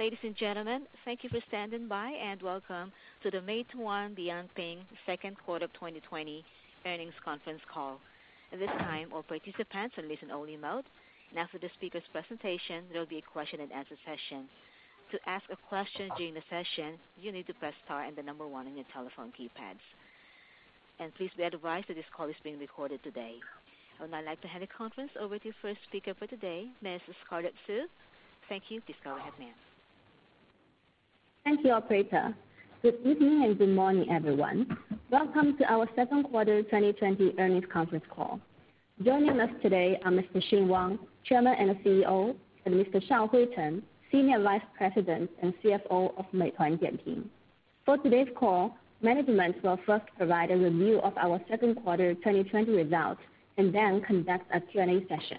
Ladies and gentlemen, thank you for standing by and welcome to the Meituan Dianping Second Quarter 2020 earnings conference call. At this time, all participants are in listen-only mode, and after the speaker's presentation, there will be a question-and-answer session. To ask a question during the session, you need to press star and the number 1 on your telephone keypads. And please be advised that this call is being recorded today. I would now like to hand the conference over to our first speaker for today, Ms. Scarlett Xu. Thank you. Please go ahead, ma'am. Thank you, Operator. Good evening and good morning, everyone. Welcome to our Second Quarter 2020 Earnings Conference Call. Joining us today are Mr. Xing Wang, Chairman and CEO, and Mr. Shaohui Chen, Senior Vice President and CFO of Meituan Dianping. For today's call, Management will first provide a review of our second quarter 2020 results and then conduct a Q&A session.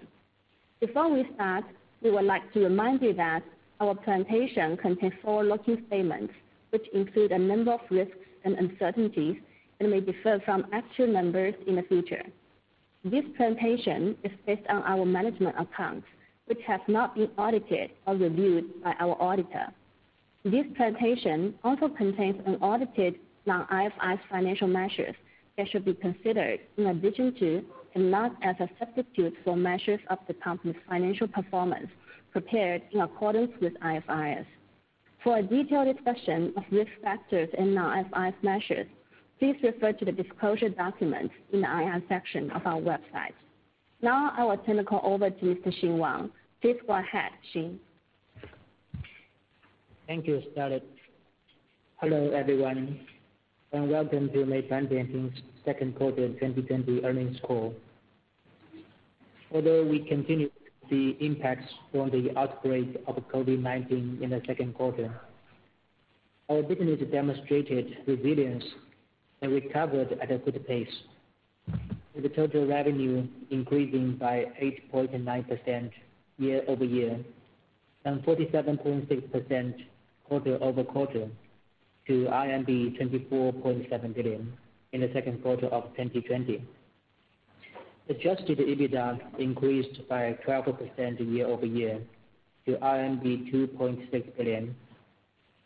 Before we start, we would like to remind you that our presentation contains forward-looking statements, which include a number of risks and uncertainties and may differ from actual numbers in the future. This presentation is based on our management accounts, which have not been audited or reviewed by our auditor. This presentation also contains unaudited non-IFRS financial measures that should be considered in addition to and not as a substitute for measures of the company's financial performance prepared in accordance with IFRS. For a detailed discussion of risk factors and non-IFRS measures, please refer to the disclosure documents in the IR section of our website. Now, I will turn the call over to Mr. Xing Wang. Please go ahead, Xing. Thank you, Scarlett. Hello, everyone, and welcome to Meituan Dianping's Second Quarter 2020 Earnings Call. Although we continue to see impacts from the outbreak of COVID-19 in the second quarter, our business demonstrated resilience and recovered at a good pace, with total revenue increasing by 8.9% year-over-year and 47.6% quarter-over-quarter to 24.7 billion in the second quarter of 2020. Adjusted EBITDA increased by 12% year-over-year to RMB 2.6 billion,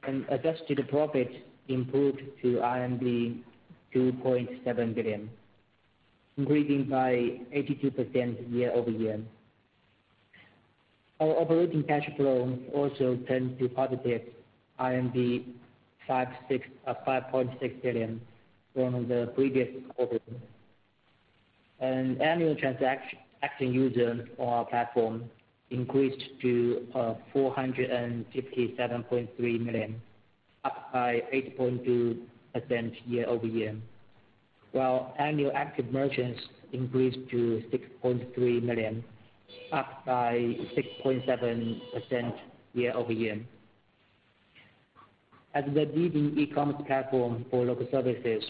and adjusted profit improved to RMB 2.7 billion, increasing by 82% year-over-year. Our operating cash flow also turned to positive 5.6 billion from the previous quarter, and annual transaction users on our platform increased to 457.3 million, up by 8.2% year-over-year, while annual active merchants increased to 6.3 million, up by 6.7% year-over-year. As the leading e-commerce platform for local services,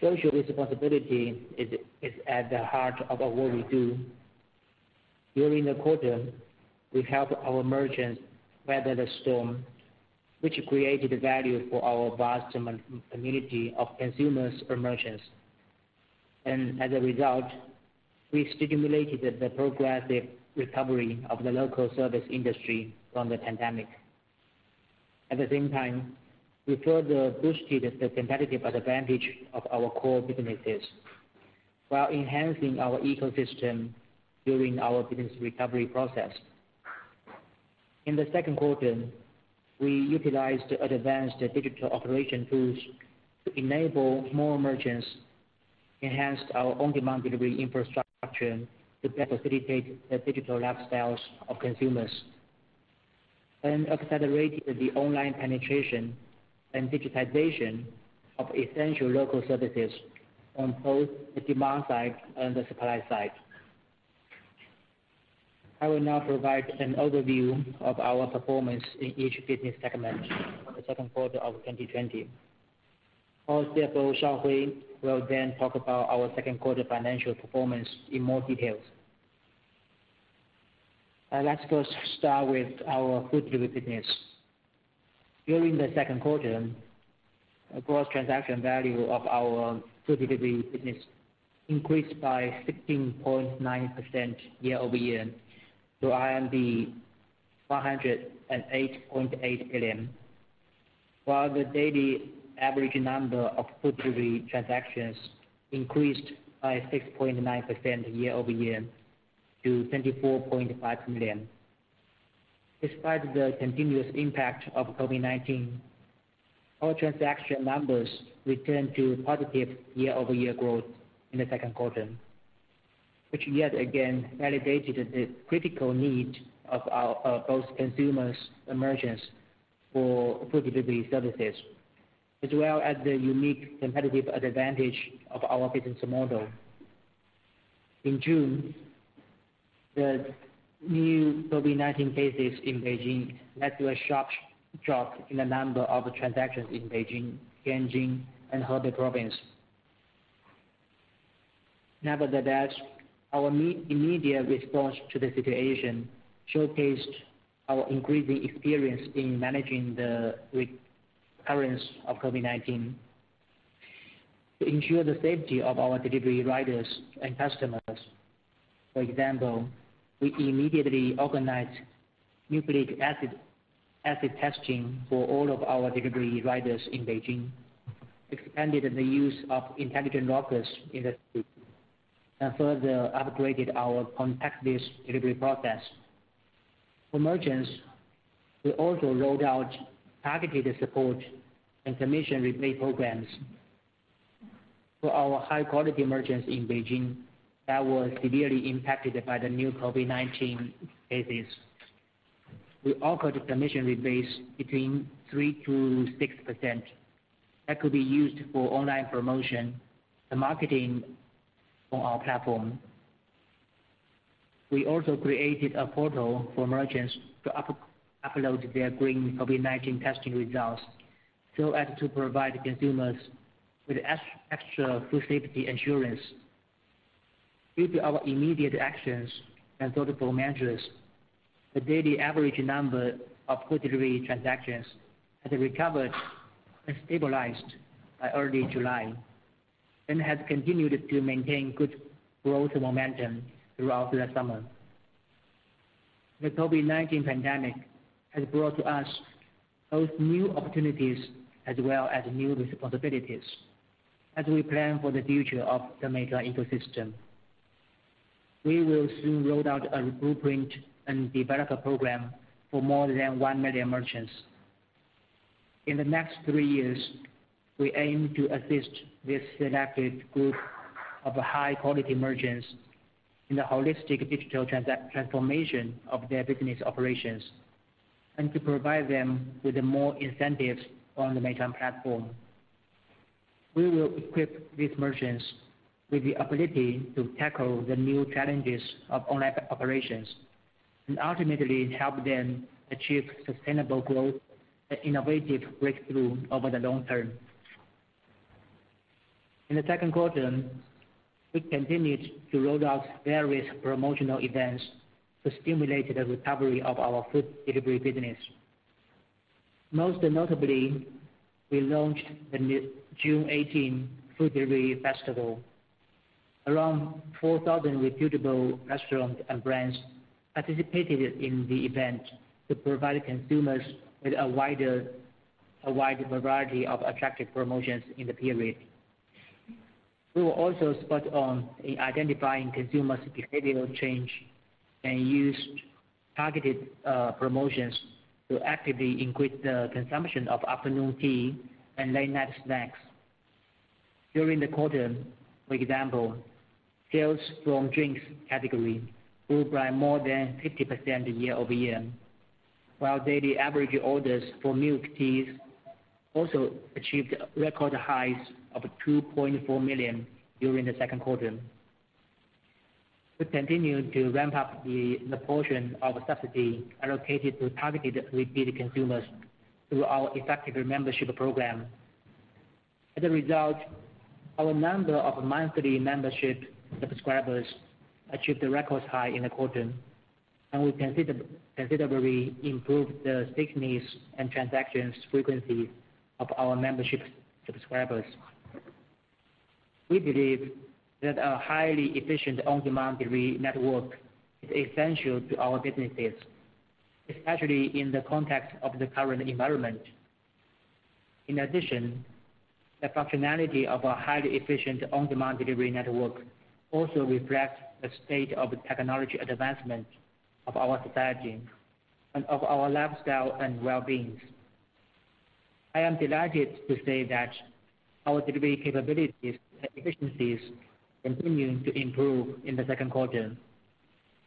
social responsibility is at the heart of what we do. During the quarter, we helped our merchants weather the storm, which created value for our vast community of consumers or merchants, and as a result, we stimulated the progressive recovery of the local service industry from the pandemic. At the same time, we further boosted the competitive advantage of our core businesses while enhancing our ecosystem during our business recovery process. In the second quarter, we utilized advanced digital operation tools to enable more merchants, enhanced our on-demand delivery infrastructure to better facilitate the digital lifestyles of consumers, and accelerated the online penetration and digitization of essential local services on both the demand side and the supply side. I will now provide an overview of our performance in each business segment for the second quarter of 2020. Our CFO, Shaohui, will then talk about our second quarter financial performance in more detail. I'd like to first start with our food delivery business. During the second quarter, the gross transaction value of our food delivery business increased by 16.9% year-over-year to 108.8 billion, while the daily average number of food delivery transactions increased by 6.9% year-over-year to 24.5 million. Despite the continuous impact of COVID-19, our transaction numbers returned to positive year-over-year growth in the second quarter, which yet again validated the critical need of both consumers and merchants for food delivery services, as well as the unique competitive advantage of our business model. In June, the new COVID-19 cases in Beijing led to a sharp drop in the number of transactions in Beijing, Tianjin, and Hebei Province. Nevertheless, our immediate response to the situation showcased our increasing experience in managing the recurrence of COVID-19. To ensure the safety of our delivery riders and customers, for example, we immediately organized nucleic acid testing for all of our delivery riders in Beijing, expanded the use of intelligent lockers in the city, and further upgraded our contactless delivery process. For merchants, we also rolled out targeted support and commission rebate programs for our high-quality merchants in Beijing that were severely impacted by the new COVID-19 cases. We offered commission rebates between 3%-6% that could be used for online promotion and marketing on our platform. We also created a portal for merchants to upload their green COVID-19 testing results so as to provide consumers with extra food safety assurance. Due to our immediate actions and thoughtful measures, the daily average number of food delivery transactions has recovered and stabilized by early July and has continued to maintain good growth momentum throughout the summer. The COVID-19 pandemic has brought us both new opportunities as well as new responsibilities as we plan for the future of the Meituan ecosystem. We will soon roll out a blueprint and developer program for more than one million merchants. In the next three years, we aim to assist this selected group of high-quality merchants in the holistic digital transformation of their business operations and to provide them with more incentives on the Meituan platform. We will equip these merchants with the ability to tackle the new challenges of online operations and ultimately help them achieve sustainable growth and innovative breakthroughs over the long term. In the second quarter, we continued to roll out various promotional events to stimulate the recovery of our food delivery business. Most notably, we launched the June 18 Food Delivery Festival. Around 4,000 reputable restaurants and brands participated in the event to provide consumers with a wide variety of attractive promotions in the period. We were also spot on in identifying consumers' behavioral change and used targeted promotions to actively increase the consumption of afternoon tea and late-night snacks. During the quarter, for example, sales from drinks category grew by more than 50% year-over-year, while daily average orders for milk teas also achieved record highs of 2.4 million during the second quarter. We continued to ramp up the proportion of subsidy allocated to targeted repeat consumers through our effective membership program. As a result, our number of monthly membership subscribers achieved a record high in the quarter, and we considerably improved the stickiness and transaction frequency of our membership subscribers. We believe that a highly efficient on-demand delivery network is essential to our businesses, especially in the context of the current environment. In addition, the functionality of a highly efficient on-demand delivery network also reflects the state of technology advancement of our society and of our lifestyle and well-being. I am delighted to say that our delivery capabilities and efficiencies continue to improve in the second quarter,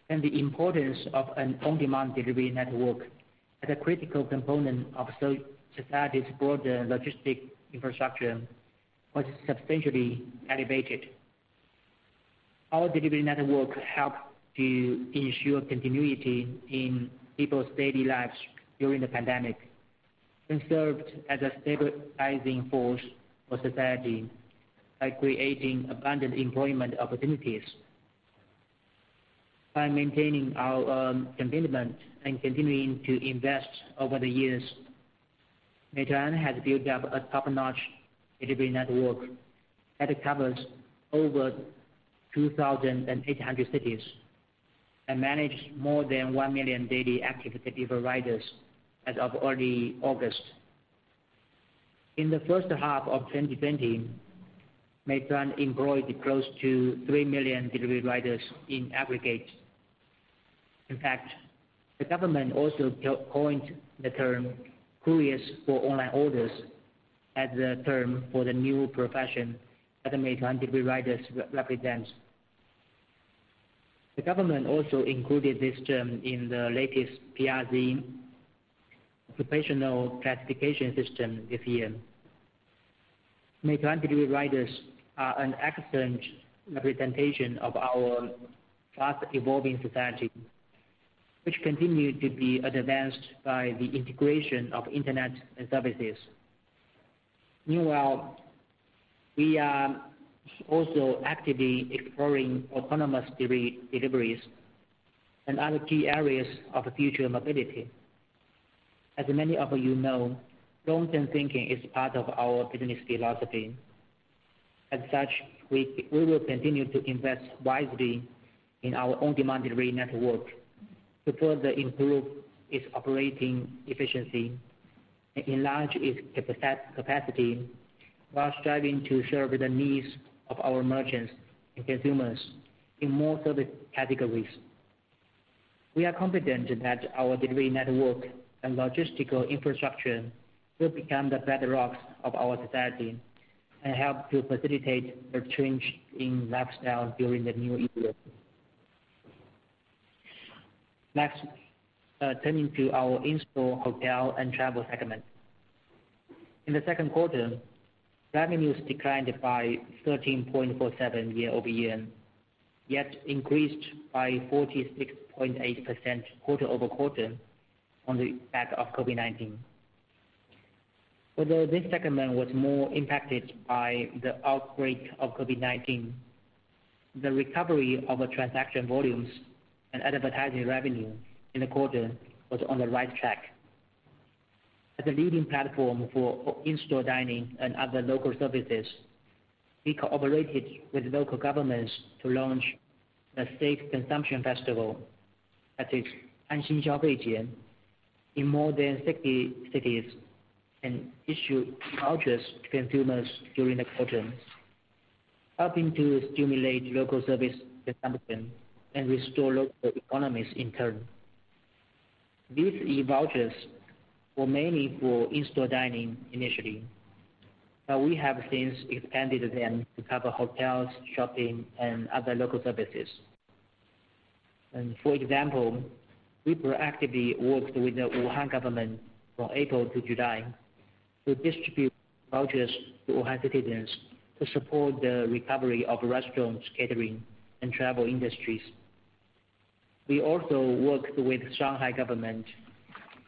and the importance of an on-demand delivery network as a critical component of society's broader logistics infrastructure was substantially elevated. Our delivery network helped to ensure continuity in people's daily lives during the pandemic and served as a stabilizing force for society by creating abundant employment opportunities. By maintaining our commitment and continuing to invest over the years, Meituan has built up a top-notch delivery network that covers over 2,800 cities and manages more than one million daily active delivery riders as of early August. In the first half of 2020, Meituan employed close to three million delivery riders in aggregate. In fact, the government also coined the term "Couriers for Online Orders" as the term for the new profession that Meituan delivery riders represent. The government also included this term in the latest PRC Professional Classification System this year. Meituan delivery riders are an excellent representation of our fast-evolving society, which continues to be advanced by the integration of internet and services. Meanwhile, we are also actively exploring autonomous deliveries and other key areas of future mobility. As many of you know, long-term thinking is part of our business philosophy. As such, we will continue to invest wisely in our on-demand delivery network to further improve its operating efficiency and enlarge its capacity while striving to serve the needs of our merchants and consumers in more service categories. We are confident that our delivery network and logistical infrastructure will become the bedrocks of our society and help to facilitate the change in lifestyle during the new year. Next, turning to our in-store hotel and travel segment. In the second quarter, revenues declined by 13.47% year-over-year, yet increased by 46.8% quarter-over-quarter on the back of COVID-19. Although this segment was more impacted by the outbreak of COVID-19, the recovery of transaction volumes and advertising revenue in the quarter was on the right track. As a leading platform for in-store dining and other local services, we cooperated with local governments to launch a Safe Consumption Festival at Anxin Xiaofei Jie in more than 60 cities and issue vouchers to consumers during the quarter, helping to stimulate local service consumption and restore local economies in turn. These vouchers were mainly for in-store dining initially, but we have since expanded them to cover hotels, shopping, and other local services. For example, we proactively worked with the Wuhan government from April to July to distribute vouchers to Wuhan citizens to support the recovery of restaurants, catering, and travel industries. We also worked with Shanghai government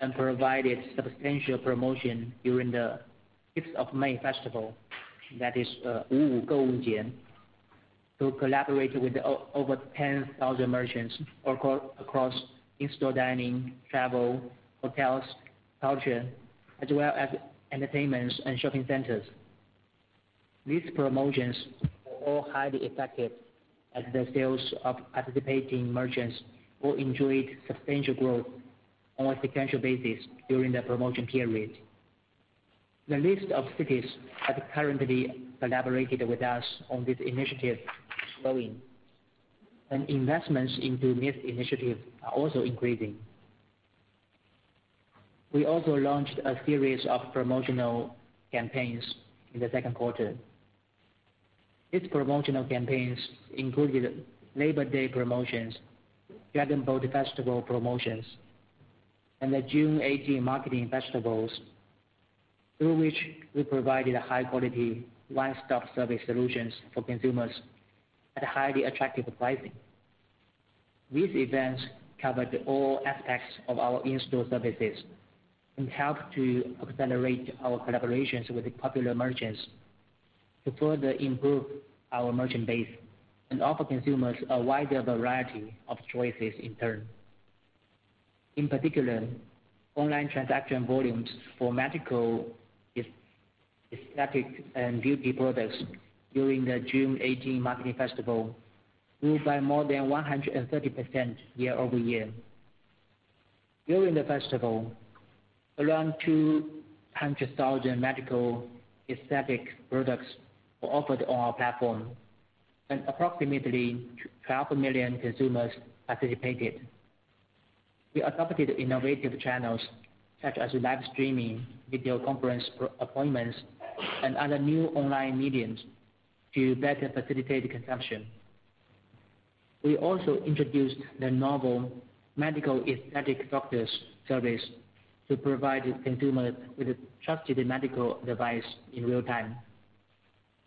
and provided substantial promotion during the 5th of May Festival, that is, Wu Gou Jie, to collaborate with over 10,000 merchants across in-store dining, travel, hotels, culture, as well as entertainment and shopping centers. These promotions were all highly effective as the sales of participating merchants enjoyed substantial growth on a sequential basis during the promotion period. The list of cities that currently collaborated with us on this initiative is growing, and investments into this initiative are also increasing. We also launched a series of promotional campaigns in the second quarter. These promotional campaigns included Labor Day promotions, Dragon Boat Festival promotions, and the June 18 marketing festivals, through which we provided high-quality one-stop service solutions for consumers at highly attractive pricing. These events covered all aspects of our in-store services and helped to accelerate our collaborations with popular merchants to further improve our merchant base and offer consumers a wider variety of choices in turn. In particular, online transaction volumes for medical, aesthetic, and beauty products during the June 18 marketing festival grew by more than 130% year-over-year. During the festival, around 200,000 medical, aesthetic products were offered on our platform, and approximately 12 million consumers participated. We adopted innovative channels such as live streaming, video conference appointments, and other new online mediums to better facilitate consumption. We also introduced the novel medical aesthetic doctors service to provide consumers with a trusted medical advice in real time.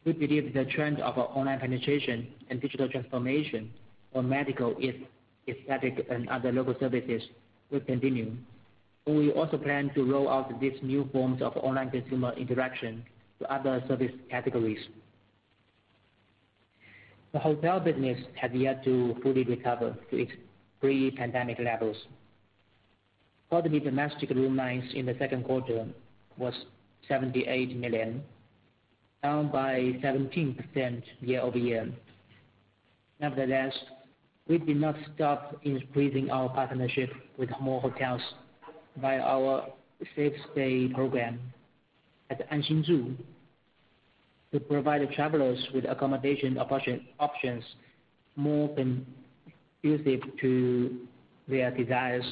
We believe the trend of online penetration and digital transformation for medical, aesthetic, and other local services will continue, and we also plan to roll out these new forms of online consumer interaction to other service categories. The hotel business has yet to fully recover to its pre-pandemic levels. Total domestic room nights in the second quarter were 78 million, down by 17% year-over-year. Nevertheless, we did not stop increasing our partnership with more hotels via our Safe Stay Program at Anxin Zhu to provide travelers with accommodation options more conducive to their desires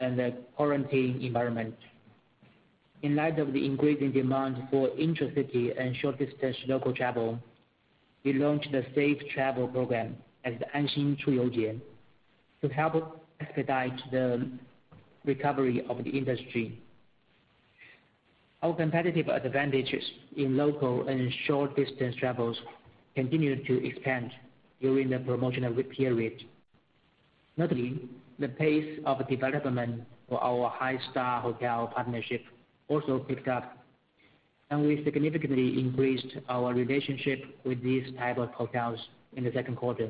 and the quarantine environment. In light of the increasing demand for intercity and short-distance local travel, we launched the Safe Travel Program at Anxin Chuyou Jie to help expedite the recovery of the industry. Our competitive advantages in local and short-distance travels continued to expand during the promotional period. Notably, the pace of development for our high-star hotel partnership also picked up, and we significantly increased our relationship with these types of hotels in the second quarter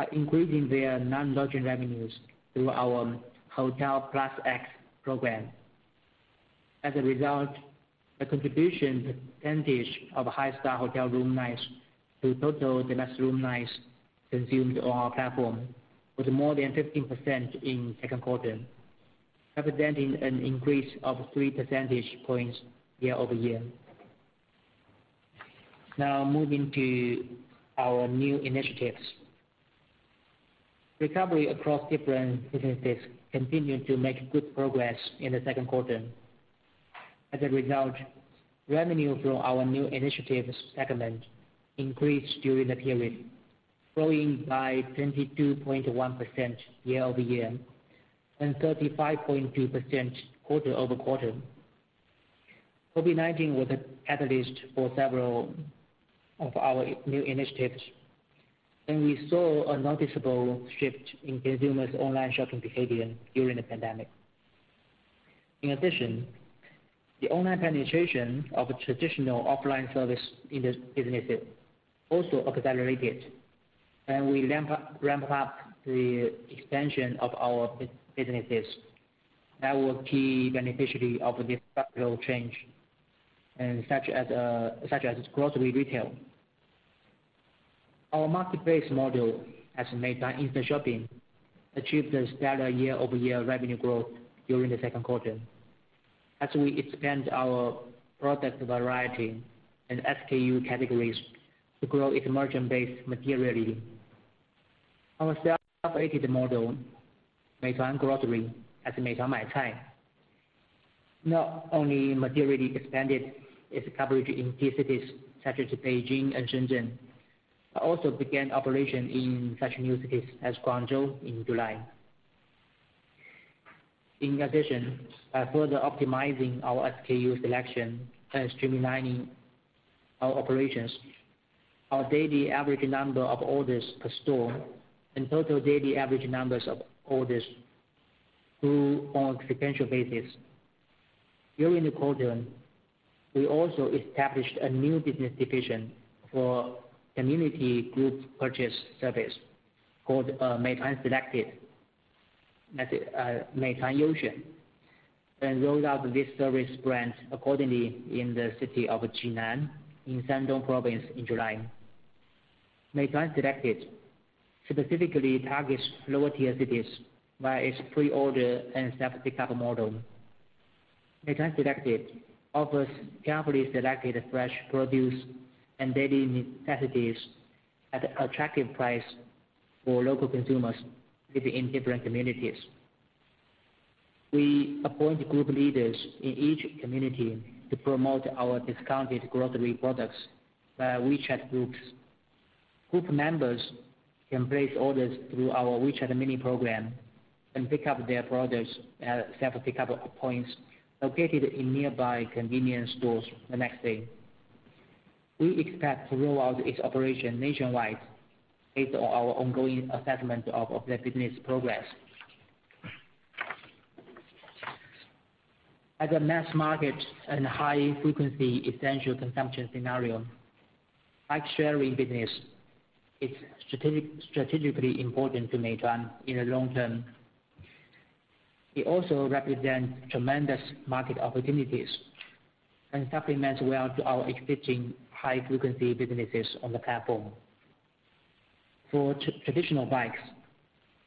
by increasing their non-lodging revenues through our Hotel Plus X program. As a result, the contribution percentage of high-star hotel room nights to total domestic room nights consumed on our platform was more than 15% in the second quarter, representing an increase of 3 percentage points year-over-year. Now, moving to our new initiatives. Recovery across different businesses continued to make good progress in the second quarter. As a result, revenue from our new initiatives segment increased during the period, growing by 22.1% year-over-year and 35.2% quarter-over-quarter. COVID-19 was the catalyst for several of our new initiatives, and we saw a noticeable shift in consumers' online shopping behavior during the pandemic. In addition, the online penetration of traditional offline service businesses also accelerated, and we ramped up the expansion of our businesses that were key beneficiaries of this structural change, such as grocery retail. Our marketplace model, as Meituan Instashopping, achieved a stellar year-over-year revenue growth during the second quarter as we expanded our product variety and SKU categories to grow its merchant base materially. Our self-operated model, Meituan Grocery, as Meituan Maicai, not only materially expanded its coverage in key cities such as Beijing and Shenzhen, but also began operation in such new cities as Guangzhou in July. In addition, by further optimizing our SKU selection and streamlining our operations, our daily average number of orders per store and total daily average numbers of orders grew on a sequential basis. During the quarter, we also established a new business division for community group purchase service called Meituan Select, Meituan Youxuan, and rolled out this service brand accordingly in the city of Jinan in Shandong Province in July. Meituan Select specifically targets lower-tier cities via its pre-order and self-pickup model. Meituan Select offers carefully selected fresh produce and daily necessities at attractive prices for local consumers living in different communities. We appoint group leaders in each community to promote our discounted grocery products via WeChat groups. Group members can place orders through our WeChat Mini Program and pick up their products at self-pickup points located in nearby convenience stores the next day. We expect to roll out its operation nationwide based on our ongoing assessment of the business progress. As a mass market and high-frequency essential consumption scenario, bike-sharing business is strategically important to Meituan in the long term. It also represents tremendous market opportunities and supplements well to our existing high-frequency businesses on the platform. For traditional bikes,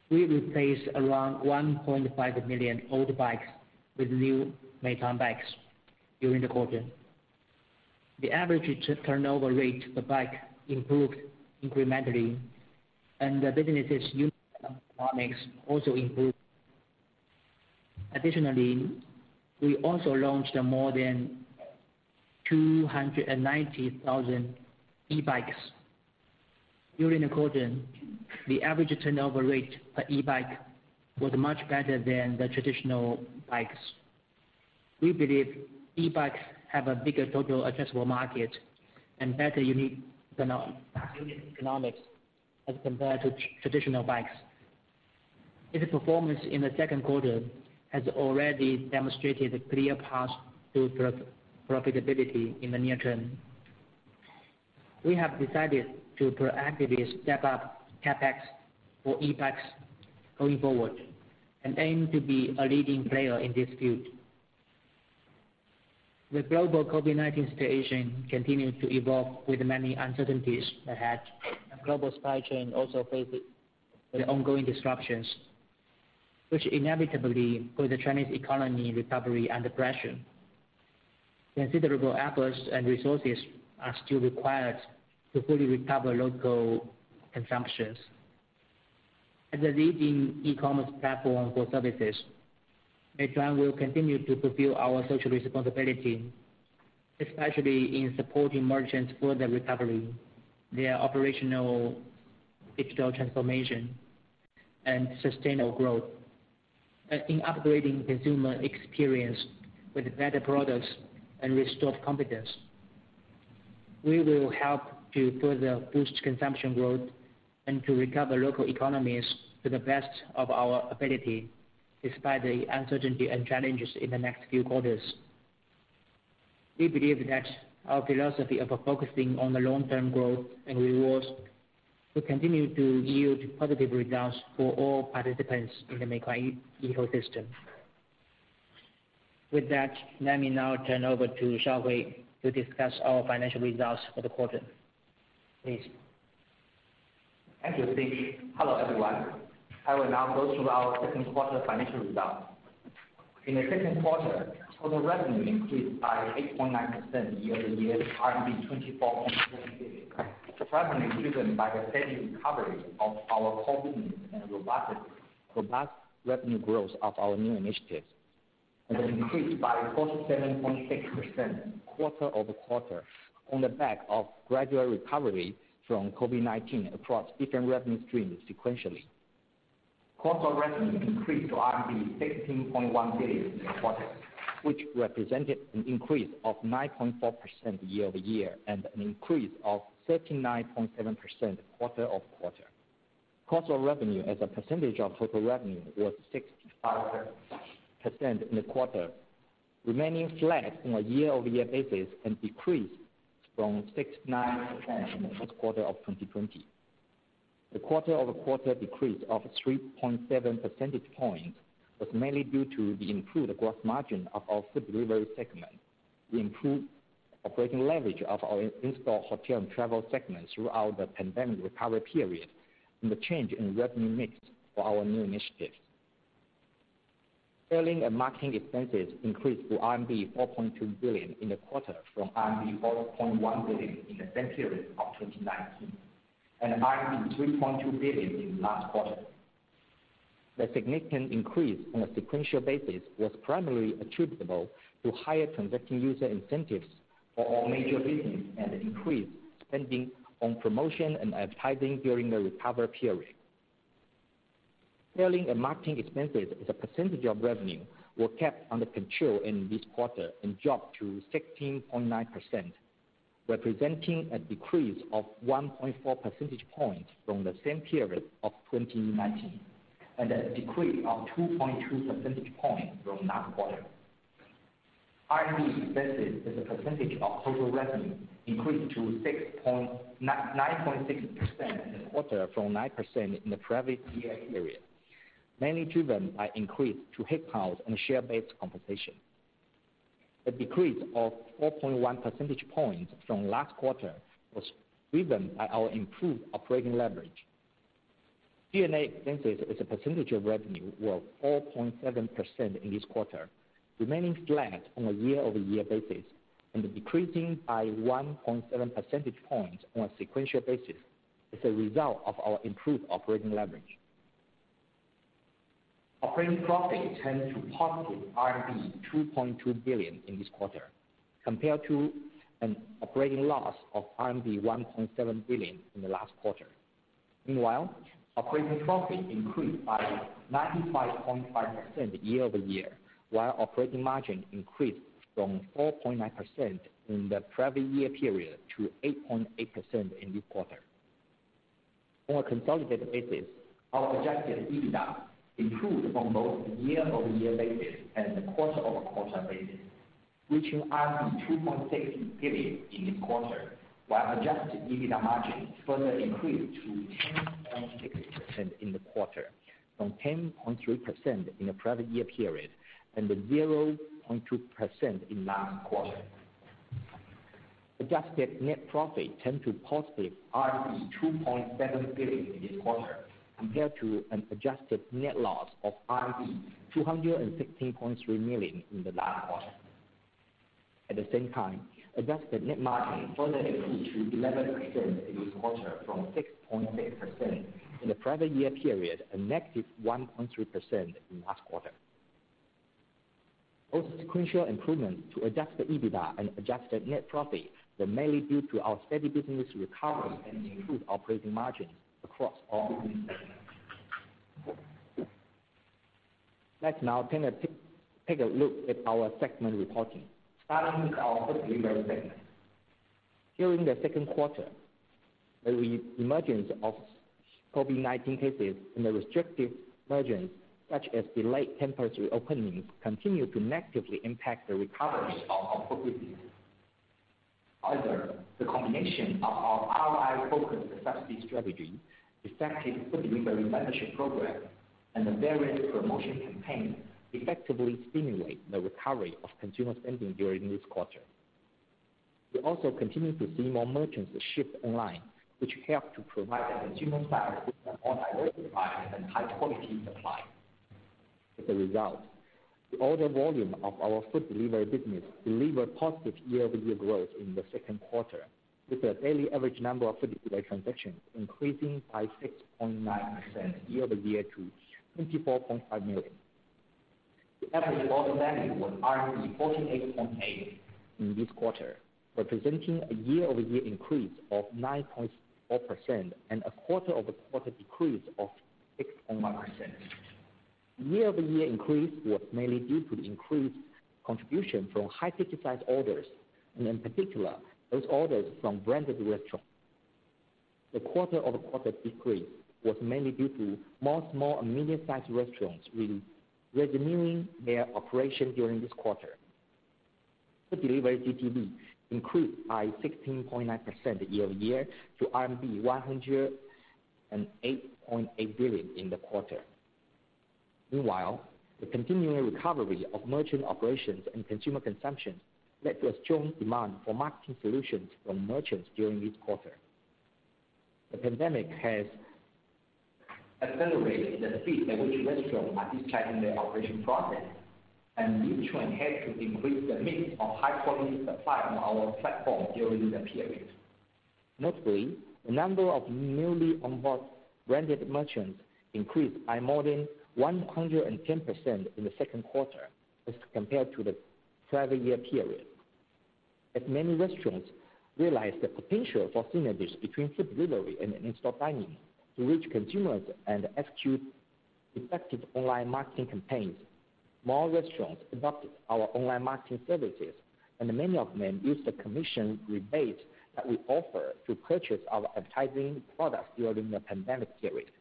we replaced around 1.5 million old bikes with new Meituan Bikes during the quarter. The average turnover rate per bike improved incrementally, and the business's unit economics also improved. Additionally, we also launched more than 290,000 e-bikes. During the quarter, the average turnover rate per e-bike was much better than the traditional bikes. We believe e-bikes have a bigger total addressable market and better unit economics as compared to traditional bikes. Its performance in the second quarter has already demonstrated a clear path to profitability in the near term. We have decided to proactively step up CapEx for e-bikes going forward and aim to be a leading player in this field. The global COVID-19 situation continues to evolve with many uncertainties ahead, and global supply chain also faces ongoing disruptions, which inevitably put the Chinese economy in recovery under pressure. Considerable efforts and resources are still required to fully recover local consumption. As a leading e-commerce platform for services, Meituan will continue to fulfill our social responsibility, especially in supporting merchants further recovery via operational digital transformation and sustainable growth, and in upgrading consumer experience with better products and restored confidence. We will help to further boost consumption growth and to recover local economies to the best of our ability despite the uncertainty and challenges in the next few quarters. We believe that our philosophy of focusing on the long-term growth and rewards will continue to yield positive results for all participants in the Meituan ecosystem. With that, let me now turn over to Shaohui to discuss our financial results for the quarter. Please. Thank you, Xing. Hello, everyone. I will now go through our second quarter financial results. In the second quarter, total revenue increased by 8.9% year-over-year to RMB 24.7 billion, primarily driven by the steady recovery of our core business and robust revenue growth of our new initiatives. It increased by 47.6% quarter-over-quarter on the back of gradual recovery from COVID-19 across different revenue streams sequentially. Core revenue increased to RMB 16.1 billion in the quarter, which represented an increase of 9.4% year-over-year and an increase of 39.7% quarter-over-quarter. Core revenue, as a percentage of total revenue, was 65% in the quarter, remaining flat on a year-over-year basis and decreased from 69% in the first quarter of 2020. The quarter-over-quarter decrease of 3.7 percentage points was mainly due to the improved gross margin of our food delivery segment, the improved operating leverage of our in-store hotel and travel segments throughout the pandemic recovery period, and the change in revenue mix for our new initiatives. Selling and marketing expenses increased to RMB 4.2 billion in the quarter from RMB 4.1 billion in the same period of 2019 and RMB 3.2 billion in the last quarter. The significant increase on a sequential basis was primarily attributable to higher transacting user incentives for all major businesses and increased spending on promotion and advertising during the recovery period. Selling and marketing expenses as a percentage of revenue were kept under control in this quarter and dropped to 16.9%, representing a decrease of 1.4 percentage points from the same period of 2019 and a decrease of 2.2 percentage points from last quarter. R&D expenses as a percentage of total revenue increased to 9.6% in the quarter from 9% in the previous year period, mainly driven by increases in headcount and share-based compensation. The decrease of 4.1 percentage points from last quarter was driven by our improved operating leverage. G&A expenses as a percentage of revenue were 4.7% in this quarter, remaining flat on a year-over-year basis and decreasing by 1.7 percentage points on a sequential basis as a result of our improved operating leverage. Operating profit turned to positive RMB 2.2 billion in this quarter, compared to an operating loss of RMB 1.7 billion in the last quarter. Meanwhile, operating profit increased by 95.5% year-over-year, while operating margin increased from 4.9% in the previous year period to 8.8% in this quarter. On a consolidated basis, our projected EBITDA improved on both the year-over-year basis and the quarter-over-quarter basis, reaching 2.6 billion in this quarter, while Adjusted EBITDA margin further increased to 10.6% in the quarter, from 10.3% in the previous year period and 0.2% in the last quarter. Adjusted net profit turned to positive 2.7 billion in this quarter, compared to an adjusted net loss of 216.3 million in the last quarter. At the same time, adjusted net margin further improved to 11% in this quarter, from 6.6% in the previous year period and negative 1.3% in the last quarter. Those sequential improvements to adjusted EBITDA and adjusted net profit were mainly due to our steady business recovery and improved operating margins across all business segments. Let's now take a look at our segment reporting, starting with our food delivery segment. During the second quarter, the emergence of COVID-19 cases and the restrictive measures such as delayed temporary openings continued to negatively impact the recovery of our food business. However, the combination of our ROI-focused subsidy strategy, effective food delivery membership program, and the various promotion campaigns effectively stimulated the recovery of consumer spending during this quarter. We also continued to see more merchants shift online, which helped to provide consumers with a more diversified and high-quality supply. As a result, the order volume of our food delivery business delivered positive year-over-year growth in the second quarter, with the daily average number of food delivery transactions increasing by 6.9% year-over-year to 24.5 million. The average order value was 48.8 in this quarter, representing a year-over-year increase of 9.4% and a quarter-over-quarter decrease of 6.1%. Year-over-year increase was mainly due to the increased contribution from high-ticket size orders, and in particular, those orders from branded restaurants. The quarter-over-quarter decrease was mainly due to more small and medium-sized restaurants resuming their operation during this quarter. Food delivery GTV increased by 16.9% year-over-year to RMB 108.8 billion in the quarter. Meanwhile, the continuing recovery of merchant operations and consumer consumption led to a strong demand for marketing solutions from merchants during this quarter. The pandemic has accelerated the speed at which restaurants are digitalizing their operation process, and Meituan had to increase the mix of high-quality supply on our platform during the period. Notably, the number of newly onboarded branded merchants increased by more than 110% in the second quarter as compared to the previous year period. As many restaurants realized the potential for synergies between food delivery and in-store dining to reach consumers and execute effective online marketing campaigns, more restaurants adopted our online marketing services, and many of them used the commission rebates that we offered to purchase our advertising products during the pandemic period.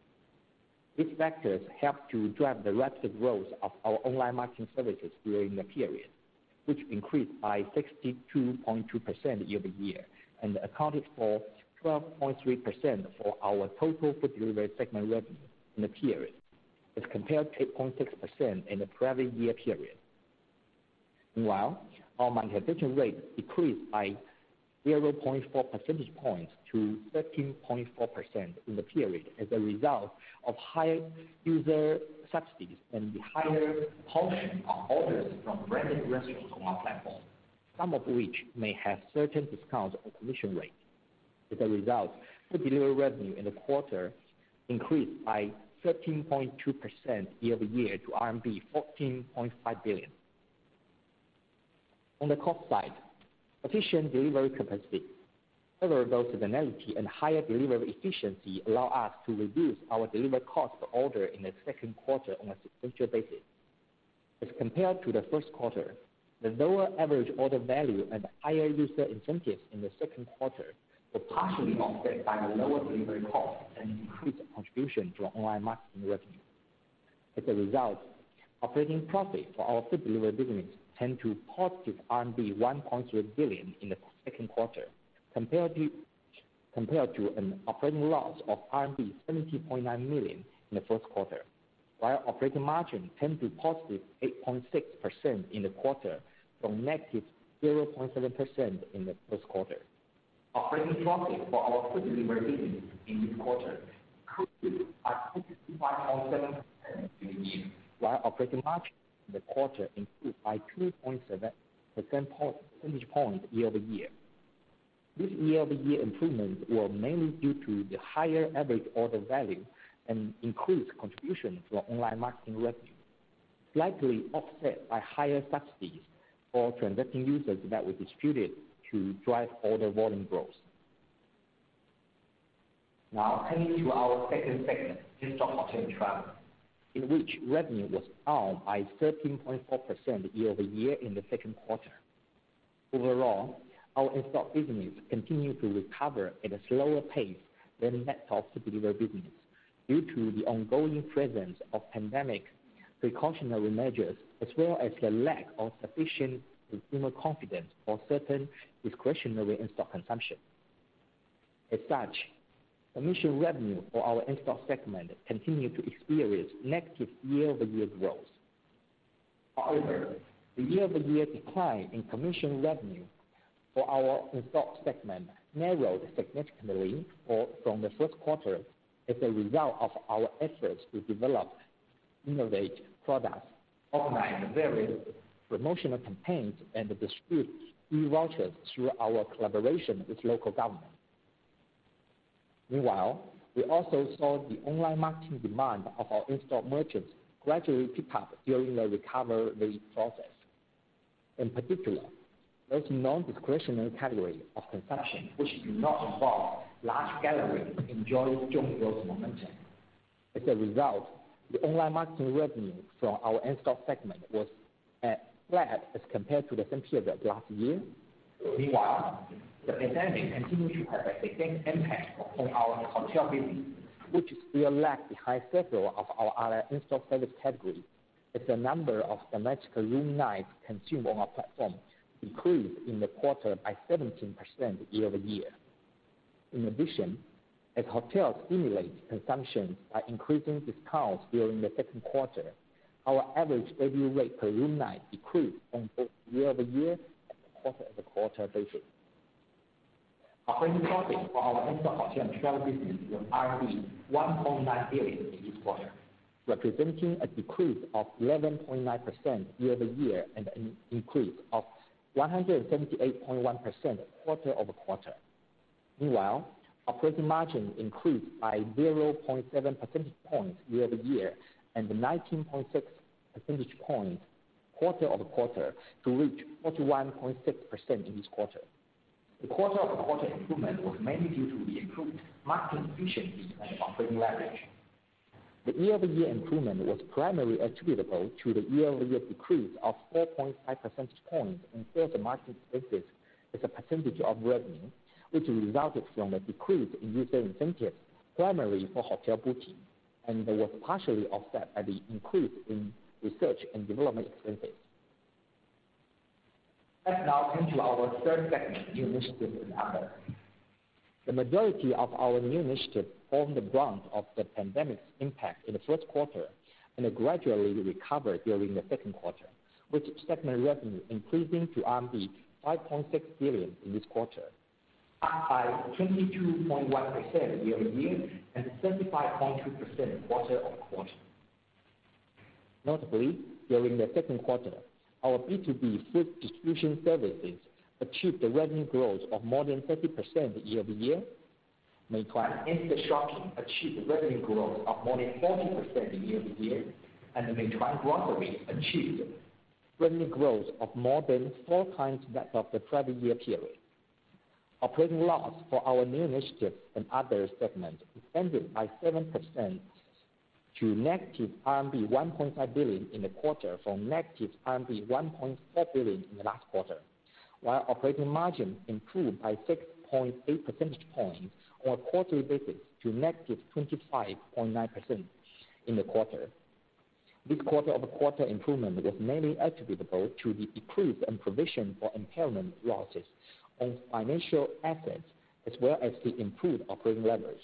These factors helped to drive the rapid growth of our online marketing services during the period, which increased by 62.2% year-over-year and accounted for 12.3% for our total food delivery segment revenue in the period, as compared to 8.6% in the previous year period. Meanwhile, our monetization rate decreased by 0.4 percentage points to 13.4% in the period as a result of higher user subsidies and the higher portion of orders from branded restaurants on our platform, some of which may have certain discounts or commission rates. As a result, food delivery revenue in the quarter increased by 13.2% year-over-year to RMB 14.5 billion. On the cost side, sufficient delivery capacity, favorable seasonality, and higher delivery efficiency allow us to reduce our delivery cost per order in the second quarter on a sequential basis. As compared to the first quarter, the lower average order value and higher user incentives in the second quarter were partially offset by the lower delivery cost and increased contribution from online marketing revenue. As a result, operating profit for our food delivery business turned to positive 1.3 billion in the second quarter, compared to an operating loss of RMB 70.9 million in the first quarter, while operating margin turned to positive 8.6% in the quarter from negative 0.7% in the first quarter. Operating profit for our food delivery business in this quarter increased by 65.7% during the year, while operating margin in the quarter improved by 2.7 percentage points year-over-year. This year-over-year improvement was mainly due to the higher average order value and increased contribution from online marketing revenue, slightly offset by higher subsidies for transacting users that were disputed to drive order volume growth. Now, heading to our second segment, in-store hotel and travel, in which revenue was down by 13.4% year-over-year in the second quarter. Overall, our in-store business continued to recover at a slower pace than net of food delivery business due to the ongoing presence of pandemic precautionary measures, as well as the lack of sufficient consumer confidence for certain discretionary in-store consumption. As such, commission revenue for our in-store segment continued to experience negative year-over-year growth. However, the year-over-year decline in commission revenue for our in-store segment narrowed significantly from the first quarter as a result of our efforts to develop, innovate products, organize various promotional campaigns, and distribute e-vouchers through our collaboration with local governments. Meanwhile, we also saw the online marketing demand of our in-store merchants gradually pick up during the recovery process. In particular, those non-discretionary categories of consumption, which do not involve large gatherings, enjoyed strong growth momentum. As a result, the online marketing revenue from our in-store segment was flat as compared to the same period last year. Meanwhile, the pandemic continued to have a significant impact upon our hotel business, which still lagged behind several of our other in-store service categories as the number of domestic room nights consumed on our platform increased in the quarter by 17% year-over-year. In addition, as hotels stimulated consumption by increasing discounts during the second quarter, our average daily rate per room night decreased on both the year-over-year and quarter-over-quarter basis. Operating profit for our in-store hotel and travel business was RMB 1.9 billion in this quarter, representing a decrease of 11.9% year-over-year and an increase of 178.1% quarter-over-quarter. Meanwhile, operating margin increased by 0.7 percentage points year-over-year and 19.6 percentage points quarter-over-quarter to reach 41.6% in this quarter. The quarter-over-quarter improvement was mainly due to the improved marketing efficiency and operating leverage. The year-over-year improvement was primarily attributable to the year-over-year decrease of 4.5 percentage points in sales and marketing expenses as a percentage of revenue, which resulted from a decrease in user incentives primarily for hotel booking and was partially offset by the increase in research and development expenses. Let's now turn to our third segment, new initiatives and others. The majority of our new initiatives formed the brunt of the pandemic's impact in the first quarter and gradually recovered during the second quarter, with segment revenue increasing to RMB 5.6 billion in this quarter, up by 22.1% year-over-year and 35.2% quarter-over-quarter. Notably, during the second quarter, our B2B food distribution services achieved a revenue growth of more than 30% year-over-year. Meituan Instashopping achieved a revenue growth of more than 40% year-over-year, and Meituan Grocery achieved revenue growth of more than four times that of the previous year period. Operating loss for our new initiatives and other segments descended by 7% to negative RMB 1.5 billion in the quarter from negative RMB 1.4 billion in the last quarter, while operating margin improved by 6.8 percentage points on a quarterly basis to negative 25.9% in the quarter. This quarter-over-quarter improvement was mainly attributable to the decrease in provision for impairment losses on financial assets, as well as the improved operating leverage.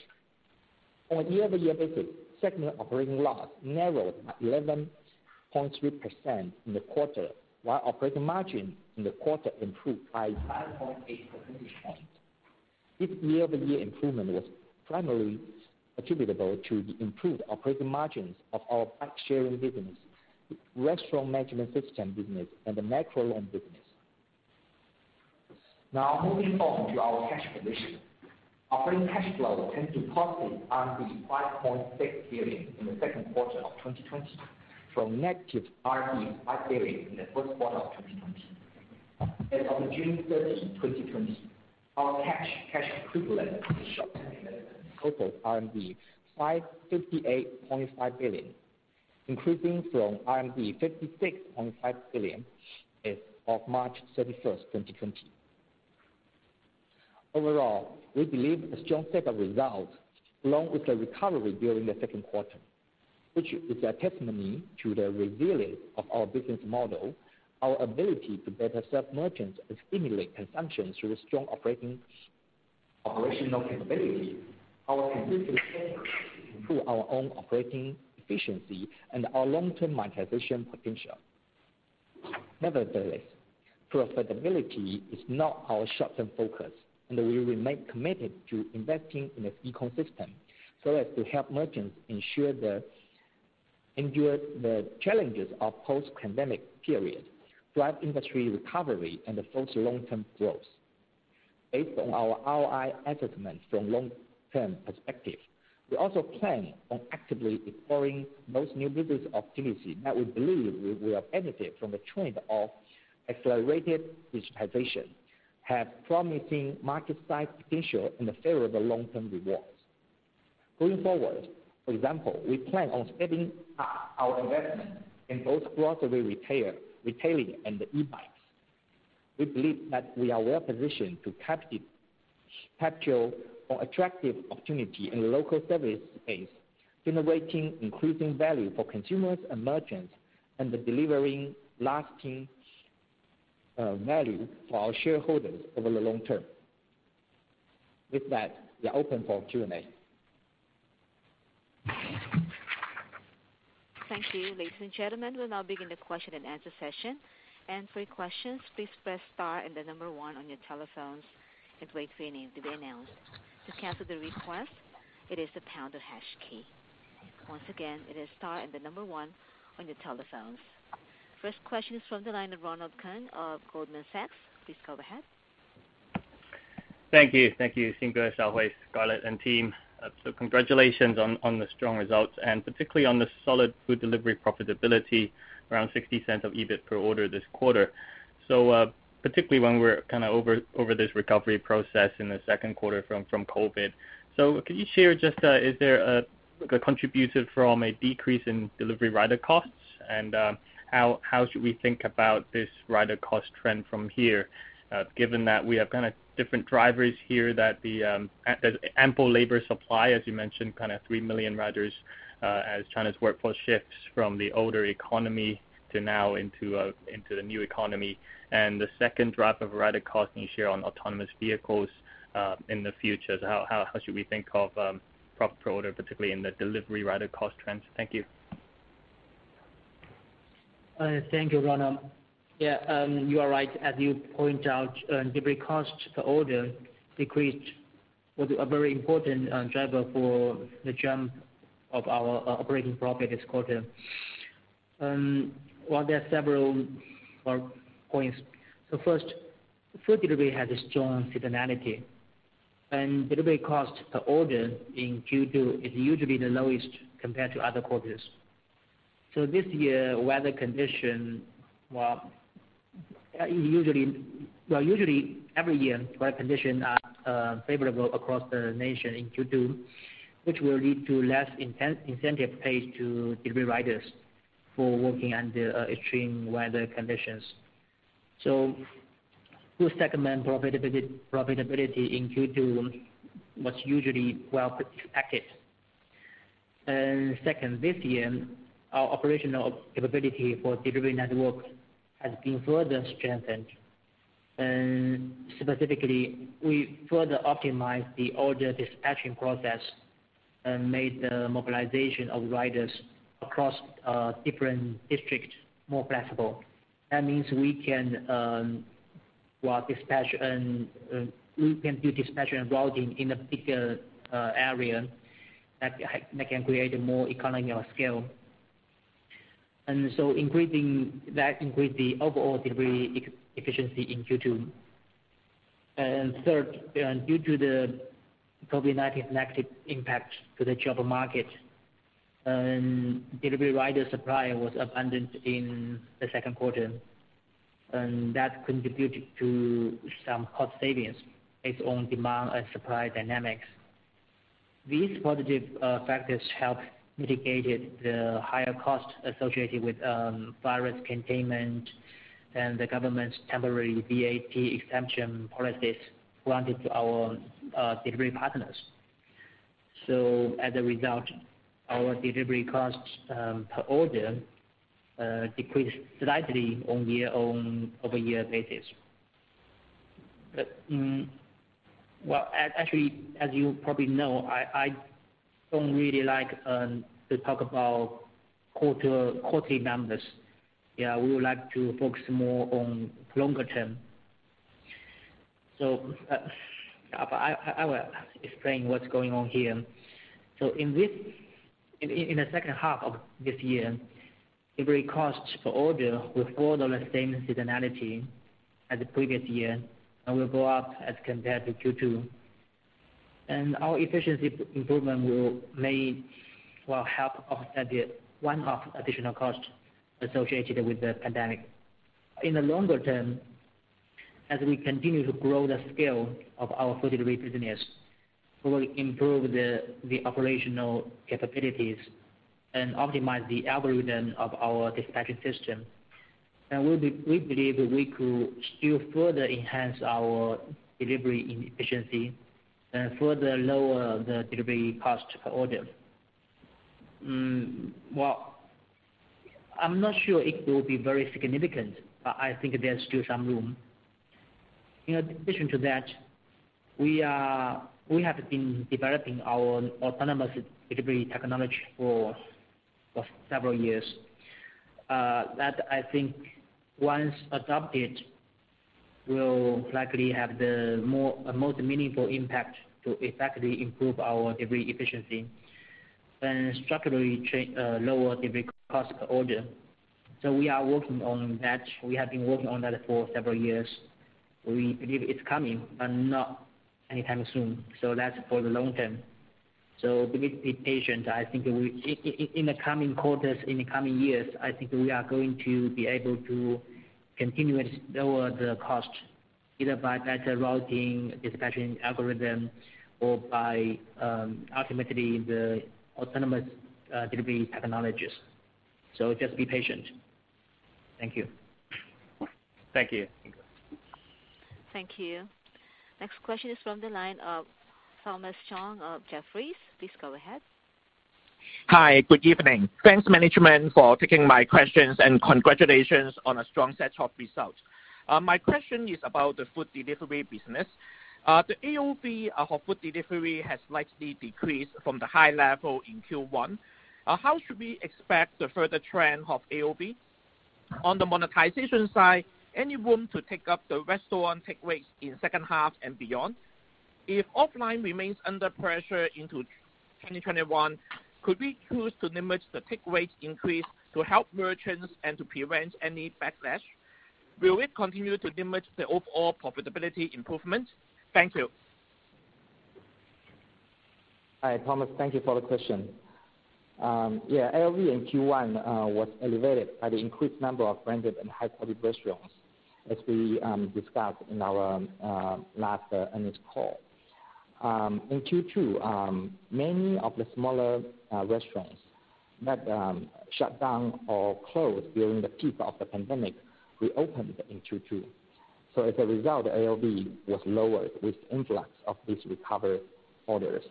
On a year-over-year basis, segment operating loss narrowed by 11.3% in the quarter, while operating margin in the quarter improved by 5.8 percentage points. This year-over-year improvement was primarily attributable to the improved operating margins of our bike-sharing business, restaurant management system business, and the micro loan business. Now, moving on to our cash position, operating cash flow turned to positive 5.6 billion in the second quarter of 2020 from negative 5 billion in the first quarter of 2020. As of June 30, 2020, our cash and cash equivalents and short-term investments totaled 58.5 billion, increasing from 56.5 billion as of March 31, 2020. Overall, we believe a strong set of results, along with the recovery during the second quarter, which is a testimony to the resilience of our business model, our ability to better serve merchants and stimulate consumption through strong operational capability, our consistent efforts to improve our own operating efficiency, and our long-term monetization potential. Nevertheless, profitability is not our short-term focus, and we remain committed to investing in the ecosystem so as to help merchants endure the challenges of the post-pandemic period, drive industry recovery, and foster long-term growth. Based on our ROI assessment from a long-term perspective, we also plan on actively exploring those new business opportunities that we believe will benefit from the trend of accelerated digitization, have promising market size potential, and favorable long-term returns. Going forward, for example, we plan on stepping up our investment in both grocery retailing and e-bikes. We believe that we are well-positioned to capitalize on attractive opportunities in the local service space, generating increasing value for consumers and merchants, and delivering lasting value for our shareholders over the long term. With that, we are open for Q&A. Thank you, ladies and gentlemen. We'll now begin the question-and-answer session. And for your questions, please press star and the number 1 on your telephones in waiting to be announced. To cancel the request, it is the pound or hash key. Once again, it is star and the number one on your telephones. First question is from the line of Ronald Keung of Goldman Sachs. Please go ahead. Thank you. Thank you, Xing Wang, Shaohui, Scarlett, and team. So congratulations on the strong results and particularly on the solid food delivery profitability, around 0.60 of EBIT per order this quarter. So, particularly when we're kind of over this recovery process in the second quarter from COVID. So could you share just is there a contribution from a decrease in delivery rider costs? And how should we think about this rider cost trend from here, given that we have kind of different drivers here that the ample labor supply, as you mentioned, kind of three million riders as China's workforce shifts from the old economy to now into the new economy. And the second drop of rider cost, can you share on autonomous vehicles in the future? How should we think of profit per order, particularly in the delivery rider cost trends? Thank you. Thank you, Ronald. Yeah, you are right. As you point out, delivery cost per order decreased was a very important driver for the jump of our operating profit this quarter. Well, there are several points. First, food delivery has a strong seasonality. Delivery cost per order in Q2 is usually the lowest compared to other quarters. This year, weather condition, well, usually every year, weather conditions are favorable across the nation in Q2, which will lead to less incentive paid to delivery riders for working under extreme weather conditions. Food segment profitability in Q2 was usually well expected. Second, this year, our operational capability for delivery network has been further strengthened. Specifically, we further optimized the order dispatching process and made the mobilization of riders across different districts more flexible. That means we can do dispatch and routing in a bigger area that can create a more economy of scale. That increased the overall delivery efficiency in Q2. Third, due to the COVID-19 negative impact to the job market, delivery rider supply was abundant in the second quarter. That contributed to some cost savings based on demand and supply dynamics. These positive factors helped mitigate the higher cost associated with virus containment and the government's temporary VAT exemption policies granted to our delivery partners. As a result, our delivery cost per order decreased slightly on year-over-year basis. Actually, as you probably know, I don't really like to talk about quarterly numbers. Yeah, we would like to focus more on longer term. I will explain what's going on here. In the second half of this year, delivery cost per order will fall on the same seasonality as the previous year, and will go up as compared to Q2. Our efficiency improvement will help offset one of the additional costs associated with the pandemic. In the longer term, as we continue to grow the scale of our food delivery business, we will improve the operational capabilities and optimize the algorithm of our dispatching system. We believe we could still further enhance our delivery efficiency and further lower the delivery cost per order. I'm not sure it will be very significant, but I think there's still some room. In addition to that, we have been developing our autonomous delivery technology for several years that I think, once adopted, will likely have the most meaningful impact to effectively improve our delivery efficiency and structurally lower delivery cost per order. We are working on that. We have been working on that for several years. We believe it's coming, but not anytime soon. That's for the long term. So we need to be patient. I think in the coming quarters, in the coming years, I think we are going to be able to continue to lower the cost, either by better routing, dispatching algorithm, or by ultimately the autonomous delivery technologies. So just be patient. Thank you. Thank you. Thank you. Next question is from the line of Thomas Chong of Jefferies. Please go ahead. Hi, good evening. Thanks, Management, for taking my questions and congratulations on a strong set of results. My question is about the food delivery business. The AOV of food delivery has likely decreased from the high level in Q1. How should we expect the further trend of AOV? On the monetization side, any room to take up the restaurant take rates in second half and beyond? If offline remains under pressure into 2021, could we choose to limit the take rate increase to help merchants and to prevent any backlash? Will it continue to limit the overall profitability improvement? Thank you. Hi, Thomas. Thank you for the question. Yeah, AOV in Q1 was elevated by the increased number of branded and high-profit restaurants, as we discussed in our last earnings call. In Q2, many of the smaller restaurants that shut down or closed during the peak of the pandemic reopened in Q2. So as a result, AOV was lowered with influx of these recovered orders.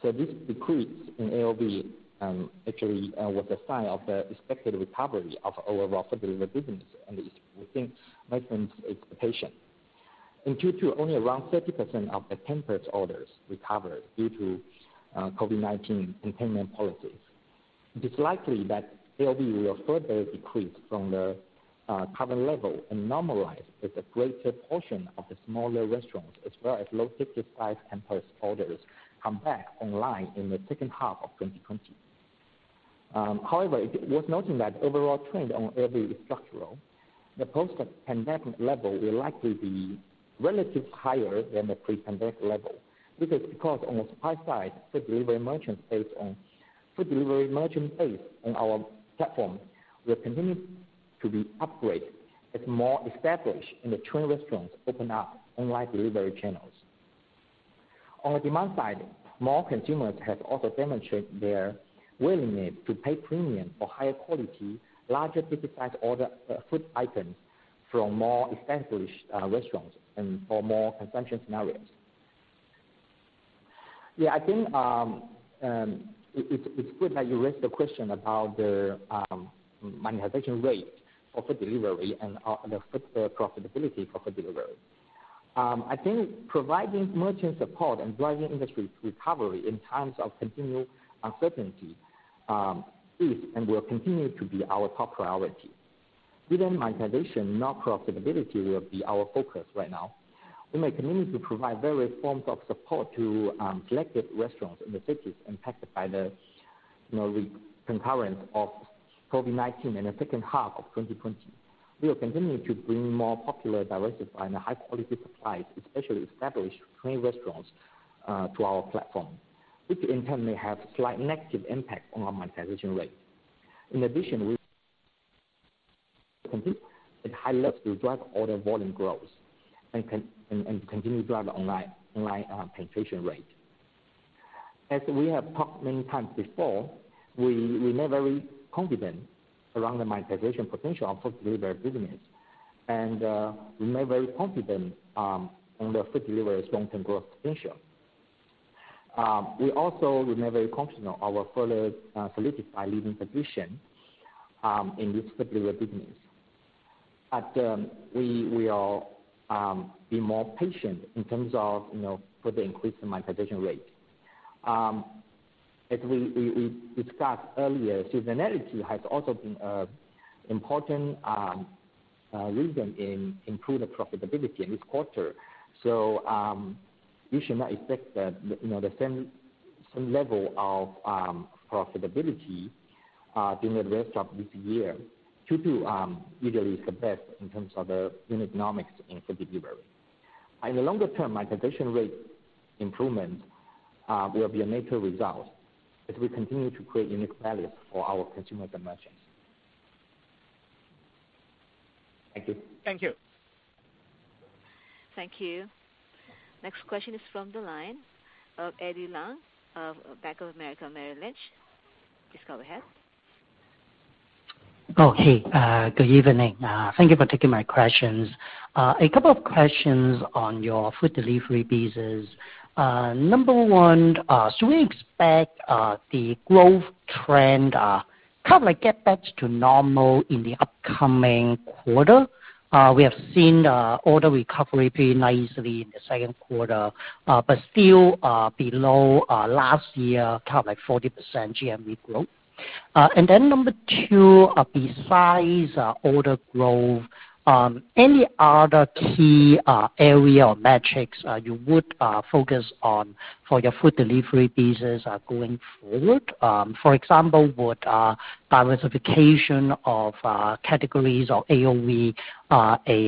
So this decrease in AOV actually was a sign of the expected recovery of our core food delivery business, and we think merchants' expectations. In Q2, only around 30% of the merchants' orders recovered due to COVID-19 containment policies. It is likely that AOV will further decrease from the current level and normalize as a greater portion of the smaller restaurants, as well as low-ticket size tempers orders, come back online in the second half of 2020. However, it was noted that the overall trend on AOV is structural. The post-pandemic level will likely be relatively higher than the pre-pandemic level because, on the supply side, food delivery merchants based on food delivery merchant base on our platform will continue to be upgraded as more established in the chain restaurants open up online delivery channels. On the demand side, more consumers have also demonstrated their willingness to pay premium for higher quality, larger-ticket size order food items from more established restaurants and for more consumption scenarios. Yeah, I think it's good that you raised the question about the monetization rate for food delivery and the profitability for food delivery. I think providing merchant support and driving industry recovery in times of continued uncertainty is and will continue to be our top priority. Given monetization, not profitability will be our focus right now. We may continue to provide various forms of support to selected restaurants in the cities impacted by the concurrence of COVID-19 in the second half of 2020. We will continue to bring more popular, diversified, and high-quality supplies, especially established chain restaurants, to our platform, which in turn may have a slight negative impact on our monetization rate. In addition, we will continue at high levels to drive order volume growth and continue to drive the online penetration rate. As we have talked many times before, we remain very confident around the monetization potential of food delivery business, and we remain very confident on the food delivery's long-term growth potential. We also remain very confident of our further solidified leading position in this food delivery business. But we will be more patient in terms of further increasing monetization rate. As we discussed earlier, seasonality has also been an important reason in improved profitability in this quarter. So you should not expect the same level of profitability during the rest of this year. Q2 usually is the best in terms of the unit economics in food delivery. In the longer term, monetization rate improvement will be a major result as we continue to create unique values for our consumers and merchants. Thank you. Thank you. Thank you. Next question is from the line of Eddie Leung of Bank of America Merrill Lynch. Please go ahead. Okay. Good evening. Thank you for taking my questions. A couple of questions on your food delivery business. Number one, should we expect the growth trend kind of like get back to normal in the upcoming quarter? We have seen order recovery pretty nicely in the second quarter, but still below last year, kind of like 40% GMV growth. And then number two, besides order growth, any other key area or metrics you would focus on for your food delivery business going forward? For example, would diversification of categories or AOV be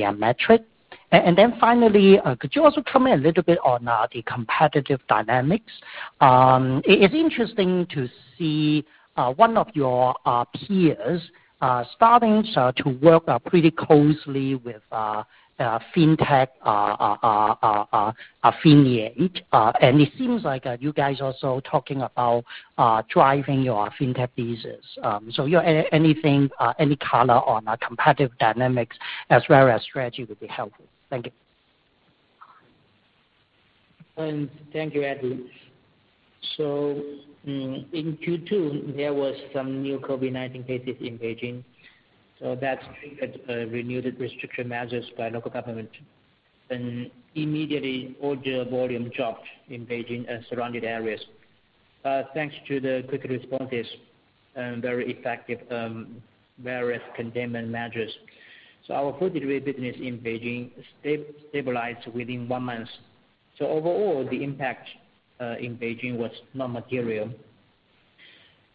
a metric? And then finally, could you also comment a little bit on the competitive dynamics? It's interesting to see one of your peers starting to work pretty closely with fintech affiliate. And it seems like you guys are also talking about driving your fintech business. So any color on competitive dynamics as well as strategy would be helpful. Thank you. Thank you, Eddie. So in Q2, there were some new COVID-19 cases in Beijing. That triggered renewed restriction measures by local government. And immediately, order volume dropped in Beijing and surrounding areas thanks to the quick responses and very effective various containment measures. Our food delivery business in Beijing stabilized within one month. Overall, the impact in Beijing was non-material.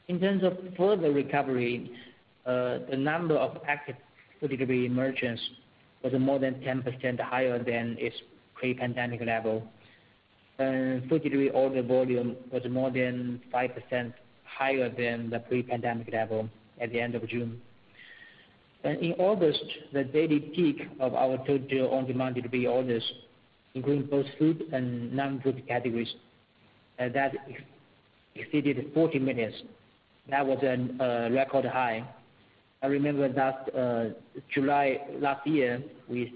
In terms of further recovery, the number of active food delivery merchants was more than 10% higher than its pre-pandemic level. Food delivery order volume was more than 5% higher than the pre-pandemic level at the end of June. In August, the daily peak of our total on-demand delivery orders, including both food and non-food categories, exceeded 40 million. That was a record high. I remember last July, last year, we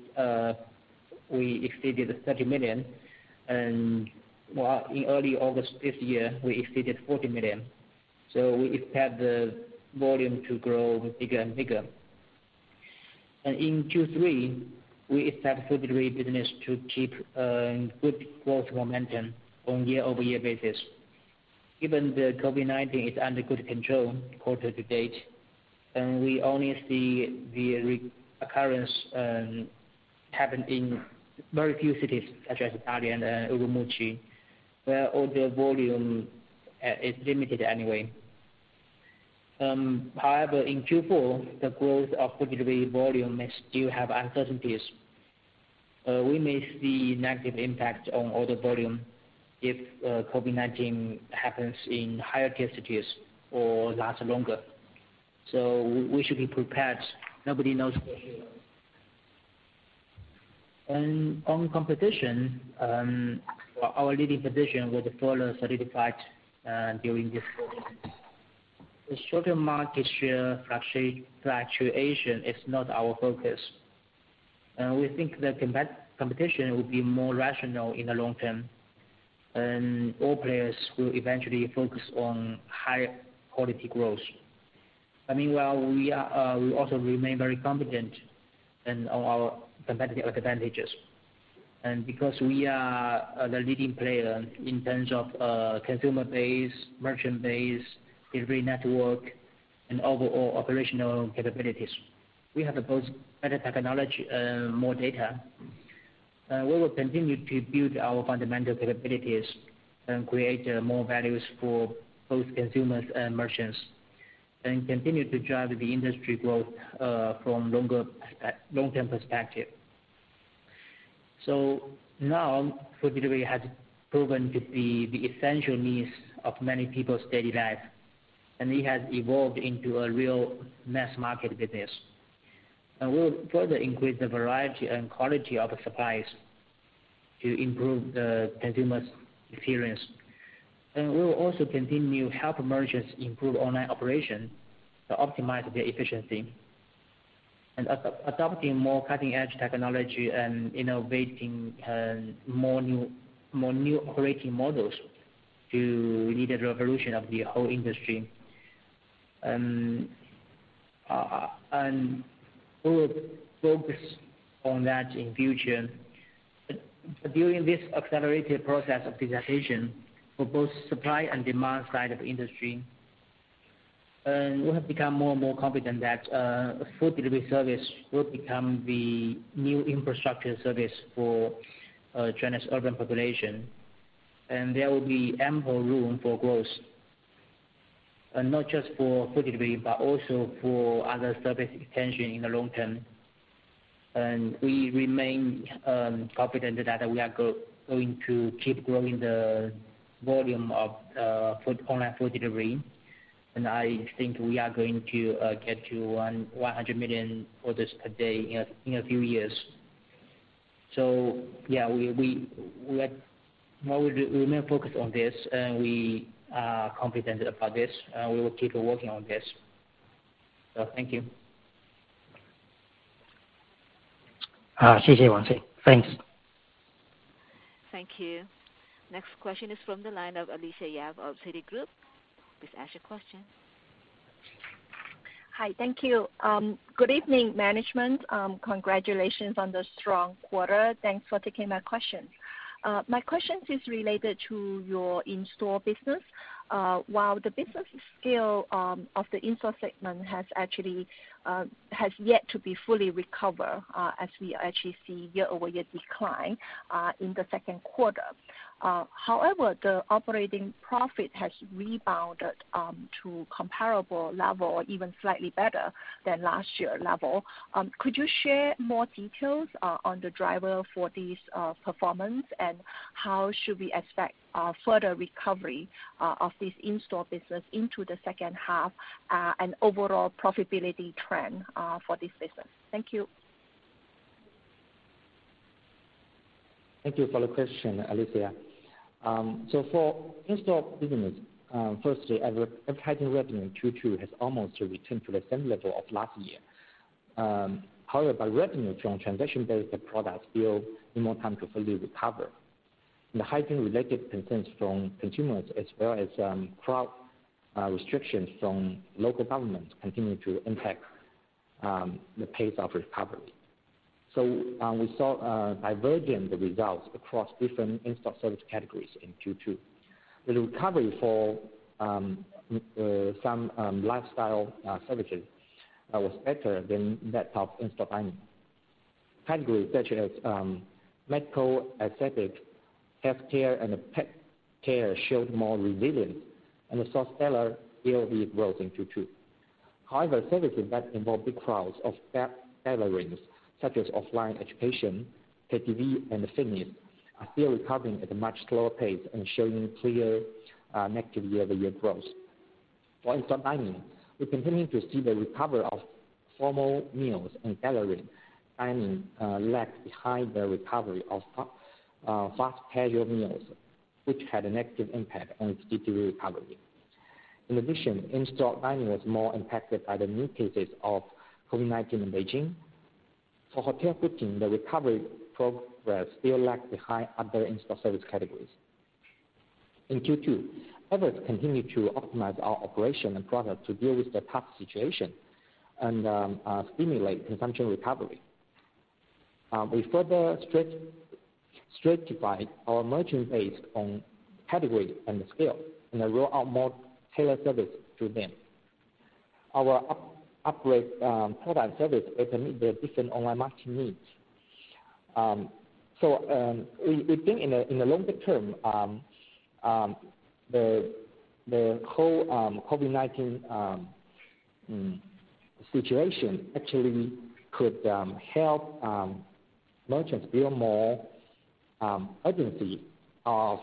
exceeded 30 million. In early August this year, we exceeded 40 million. We expect the volume to grow bigger and bigger. In Q3, we expect food delivery business to keep good growth momentum on a year-over-year basis. Given the COVID-19 is under good control quarter to date, and we only see the recurrence happen in very few cities such as Dalian and Urumqi, where order volume is limited anyway. However, in Q4, the growth of food delivery volume may still have uncertainties. We may see negative impacts on order volume if COVID-19 happens in higher-tier cities or lasts longer. So we should be prepared. Nobody knows for sure. And on competition, our leading position was further solidified during this quarter. The short-term market share fluctuation is not our focus. We think the competition will be more rational in the long term, and all players will eventually focus on higher quality growth. But meanwhile, we also remain very confident in our competitive advantages. And because we are the leading player in terms of consumer base, merchant base, delivery network, and overall operational capabilities, we have both better technology and more data. We will continue to build our fundamental capabilities and create more values for both consumers and merchants and continue to drive the industry growth from a long-term perspective. So now, food delivery has proven to be the essential needs of many people's daily life, and it has evolved into a real mass-market business. And we will further increase the variety and quality of supplies to improve the consumer's experience. And we will also continue to help merchants improve online operations to optimize their efficiency. And adopting more cutting-edge technology and innovating more new operating models to lead a revolution of the whole industry. And we will focus on that in the future. But during this accelerated process of digitization for both supply and demand side of the industry, we have become more and more confident that food delivery service will become the new infrastructure service for China's urban population. And there will be ample room for growth, not just for food delivery, but also for other service extension in the long term. And we remain confident that we are going to keep growing the volume of online food delivery. And I think we are going to get to 100 million orders per day in a few years. So yeah, we remain focused on this, and we are confident about this, and we will keep working on this. So thank you. Xing Wang. Thanks. Thank you. Next question is from the line of Alicia Yap of Citigroup. Please ask your question. Hi. Thank you. Good evening, management. Congratulations on the strong quarter. Thanks for taking my question. My question is related to your in-store business. While the business scale of the in-store segment has yet to be fully recovered as we actually see year-over-year decline in the second quarter, however, the operating profit has rebounded to a comparable level, even slightly better than last year's level. Could you share more details on the driver for this performance, and how should we expect further recovery of this in-store business into the second half and overall profitability trend for this business? Thank you. Thank you for the question, Alicia. So for in-store business, firstly, advertising revenue in Q2 has almost returned to the same level of last year. However, the revenue from transaction-based products, there will be more time to fully recover. And the hygiene-related concerns from consumers, as well as crowd restrictions from local government, continue to impact the pace of recovery. We saw divergent results across different in-store service categories in Q2. The recovery for some lifestyle services was better than that of in-store dining. Categories such as medical, aesthetic, healthcare, and pet care showed more resilience, and the stellar AOV growth in Q2. However, services that involve big crowds of gatherings, such as offline education, KTV, and fitness, are still recovering at a much slower pace and showing clear negative year-over-year growth. For in-store dining, we continue to see the recovery of formal meals and gathering dining lag behind the recovery of fast casual meals, which had a negative impact on its GTV recovery. In addition, in-store dining was more impacted by the new cases of COVID-19 in Beijing. For hotel booking, the recovery progress still lags behind other in-store service categories. In Q2, efforts continued to optimize our operation and product to deal with the tough situation and stimulate consumption recovery. We further stratified our merchant base category and scale and rolled out more tailored service to them. Our upgraded product and service will meet the different online marketing needs. So we think in the longer term, the whole COVID-19 situation actually could help merchants build more urgency of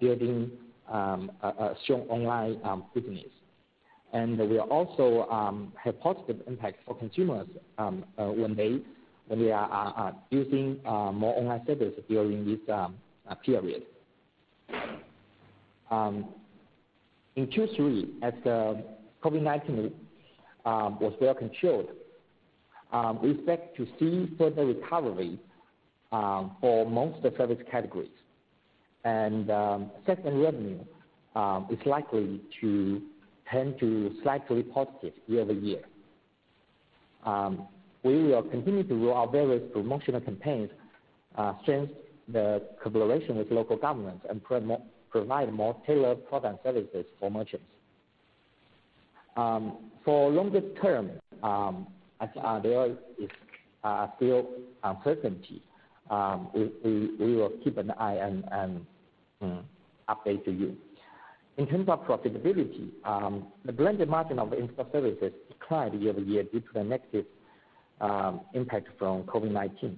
building a strong online business. And we also have a positive impact for consumers when they are using more online service during this period. In Q3, as the COVID-19 was well controlled, we expect to see further recovery for most service categories. And second revenue is likely to tend to slightly positive year-over-year. We will continue to roll out various promotional campaigns, strengthen the collaboration with local governments, and provide more tailored product and services for merchants. For the longer term, there is still uncertainty. We will keep an eye and update you. In terms of profitability, the blended margin of in-store services declined year-over-year due to the negative impact from COVID-19.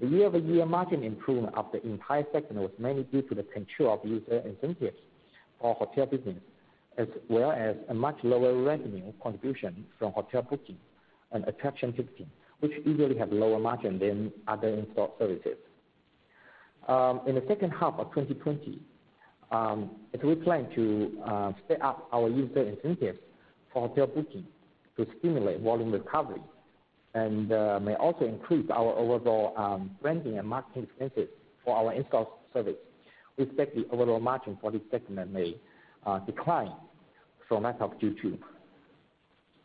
The year-over-year margin improvement of the entire segment was mainly due to the control of user incentives for hotel business, as well as a much lower revenue contribution from hotel booking and attraction ticketing, which usually have lower margins than other in-store services. In the second half of 2020, we plan to step up our user incentives for hotel booking to stimulate volume recovery and may also increase our overall branding and marketing expenses for our in-store service. We expect the overall margin for this segment may decline from the back of Q2.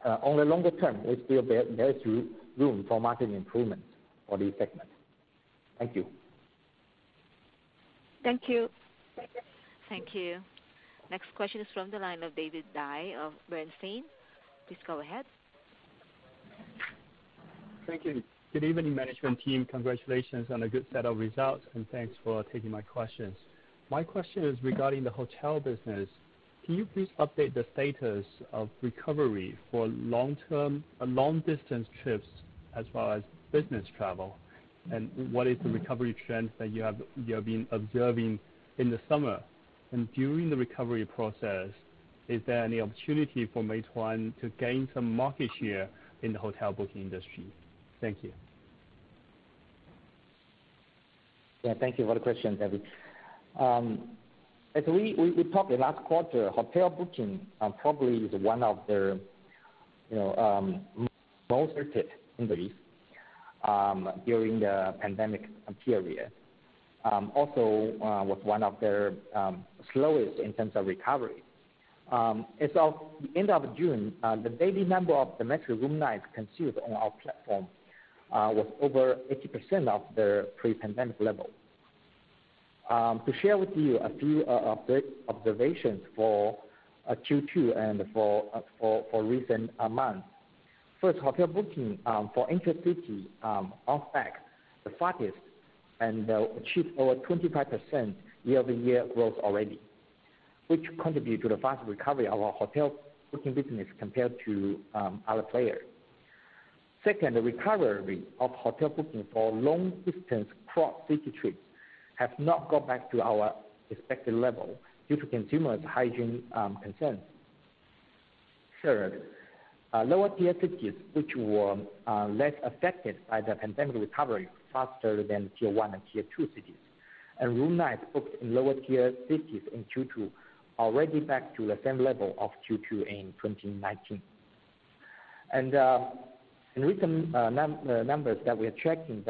On the longer term, we still have room for margin improvements for this segment. Thank you. Thank you. Thank you. Next question is from the line of David Dai of Bernstein. Please go ahead. Thank you. Good evening, Management Team. Congratulations on a good set of results, and thanks for taking my questions. My question is regarding the hotel business. Can you please update the status of recovery for long-distance trips as well as business travel? And what is the recovery trend that you have been observing in the summer? And during the recovery process, is there any opportunity for Meituan to gain some market share in the hotel booking industry? Thank you. Yeah. Thank you. What a question, David. As we talked last quarter, hotel booking probably is one of the most affected industries during the pandemic period. Also, it was one of the slowest in terms of recovery. As of the end of June, the daily number of domestic room nights booked on our platform was over 80% of the pre-pandemic level. To share with you a few observations for Q2 and for recent months. First, hotel booking for intercity travel recovered the fastest and achieved over 25% year-over-year growth already, which contributed to the fast recovery of our hotel booking business compared to other players. Second, the recovery of hotel booking for long-distance cross-city trips has not gone back to our expected level due to consumers' hygiene concerns. Third, lower-tier cities, which were less affected by the pandemic, recovered faster than Tier 1 and Tier2 cities, and room nights booked in lower-tier cities in Q2 are already back to the same level as Q2 in 2019. In recent numbers that we are tracking,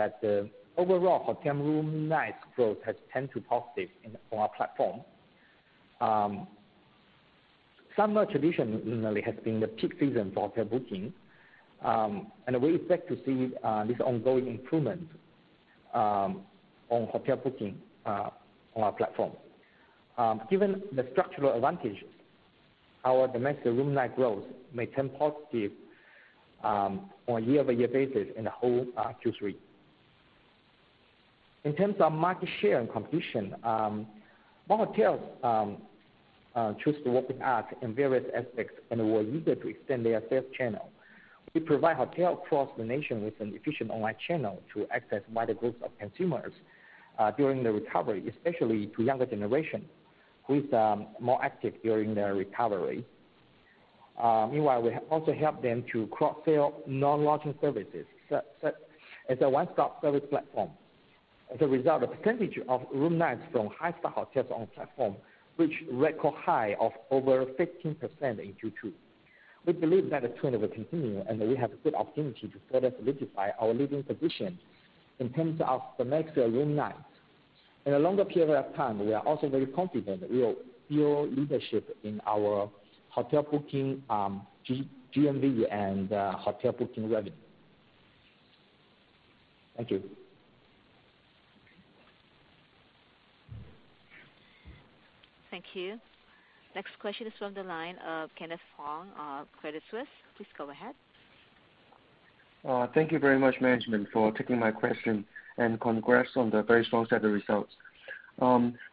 overall hotel room nights growth has tended to be positive on our platform. Summer traditionally has been the peak season for hotel booking, and we expect to see this ongoing improvement on hotel booking on our platform. Given the structural advantage, our domestic room night growth may turn positive on a year-over-year basis in the whole Q3. In terms of market share and competition, while hotels choose to work with us in various aspects and were eager to extend their sales channel, we provide hotels across the nation with an efficient online channel to access wider groups of consumers during the recovery, especially to younger generations who are more active during their recovery. Meanwhile, we also help them to cross-sell non-lodging services as a one-stop service platform. As a result, the percentage of room nights from high-star hotels on the platform reached a record high of over 15% in Q2. We believe that the trend will continue, and we have a good opportunity to further solidify our leading position in terms of domestic room nights. In the longer period of time, we are also very confident that we will build leadership in our hotel booking, GMV, and hotel booking revenue. Thank you. Thank you. Next question is from the line of Kenneth Fong of Credit Suisse. Please go ahead. Thank you very much, Management, for taking my question and congrats on the very strong set of results.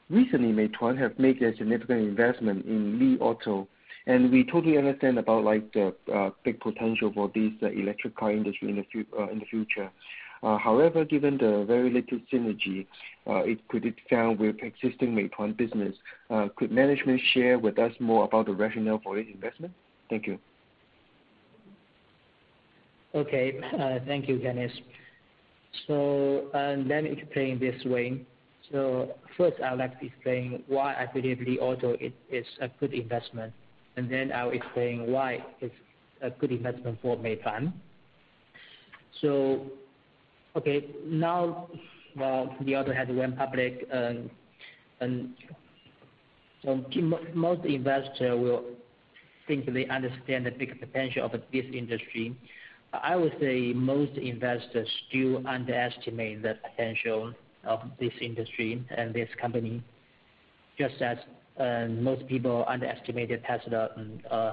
Recently, Meituan has made a significant investment in Li Auto, and we totally understand about the big potential for this electric car industry in the future. However, given the very limited synergy it could expand with existing Meituan business, could Management share with us more about the rationale for this investment? Thank you. Okay. Thank you, Kenneth. So I'll then explain this way. First, I'll explain why I believe Li Auto is a good investment, and then I'll explain why it's a good investment for Meituan. So okay. Now, Li Auto has gone public, and most investors will think they understand the big potential of this industry. I would say most investors still underestimate the potential of this industry and this company, just as most people underestimated Tesla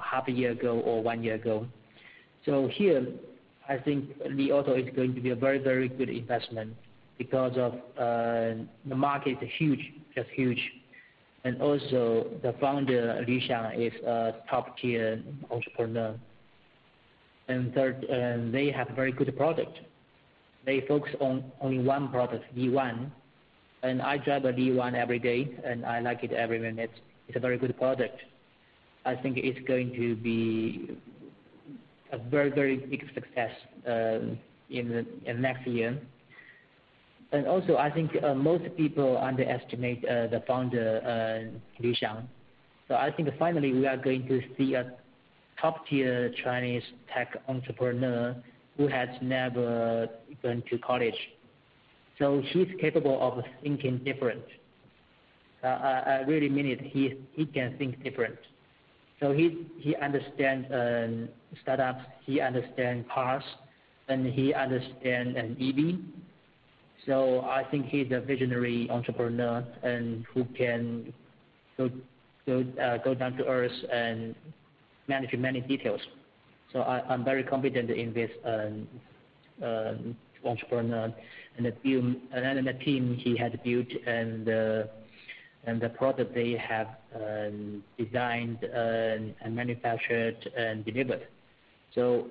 half a year ago or one year ago. Here, I think Li Auto is going to be a very, very good investment because the market is huge, just huge. Also, the founder, Li Xiang, is a top-tier entrepreneur. They have a very good product. They focus on only one product, Li ONE. I drive a Li ONE every day, and I like it every minute. It's a very good product. I think it's going to be a very, very big success in the next year. And also, I think most people underestimate the founder, Li Xiang. So I think finally we are going to see a top-tier Chinese tech entrepreneur who has never gone to college. So he's capable of thinking different. I really mean it. He can think different. So he understands startups. He understands cars, and he understands EV. So I think he's a visionary entrepreneur who can go down to earth and manage many details. So I'm very confident in this entrepreneur and the team he has built and the product they have designed and manufactured and delivered. So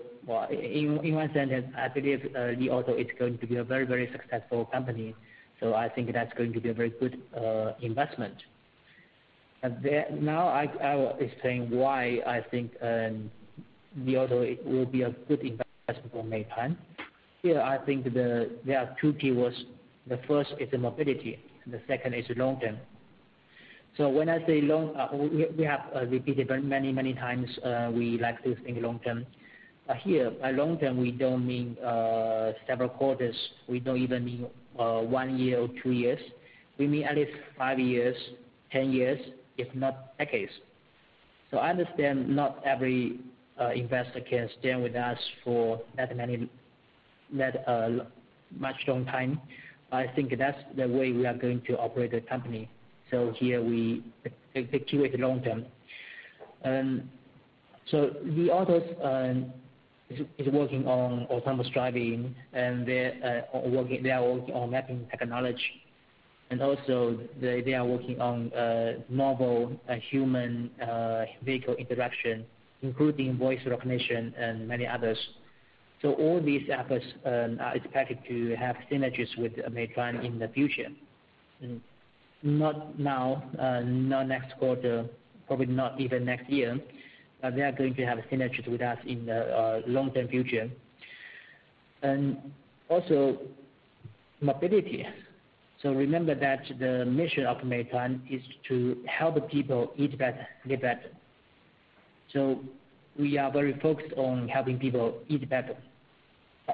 in one sentence, I believe Li Auto is going to be a very, very successful company. So I think that's going to be a very good investment. Now, I will explain why I think Li Auto will be a good investment for Meituan. Here, I think there are two keywords. The first is mobility, and the second is long-term. So when I say long, we have repeated many, many times we like to think long-term. But here, by long-term, we don't mean several quarters. We don't even mean one year or two years. We mean at least five years, 10 years, if not decades. So I understand not every investor can stand with us for that much long time. I think that's the way we are going to operate the company. So here, we think it's a long-term. So Li Auto is working on autonomous driving, and they are working on mapping technology. And also, they are working on mobile human-vehicle interaction, including voice recognition and many others. So all these efforts are expected to have synergies with Meituan in the future. Not now, not next quarter, probably not even next year, but they are going to have synergies with us in the long-term future. And also, mobility. So remember that the mission of Meituan is to help people eat better, live better. So we are very focused on helping people eat better.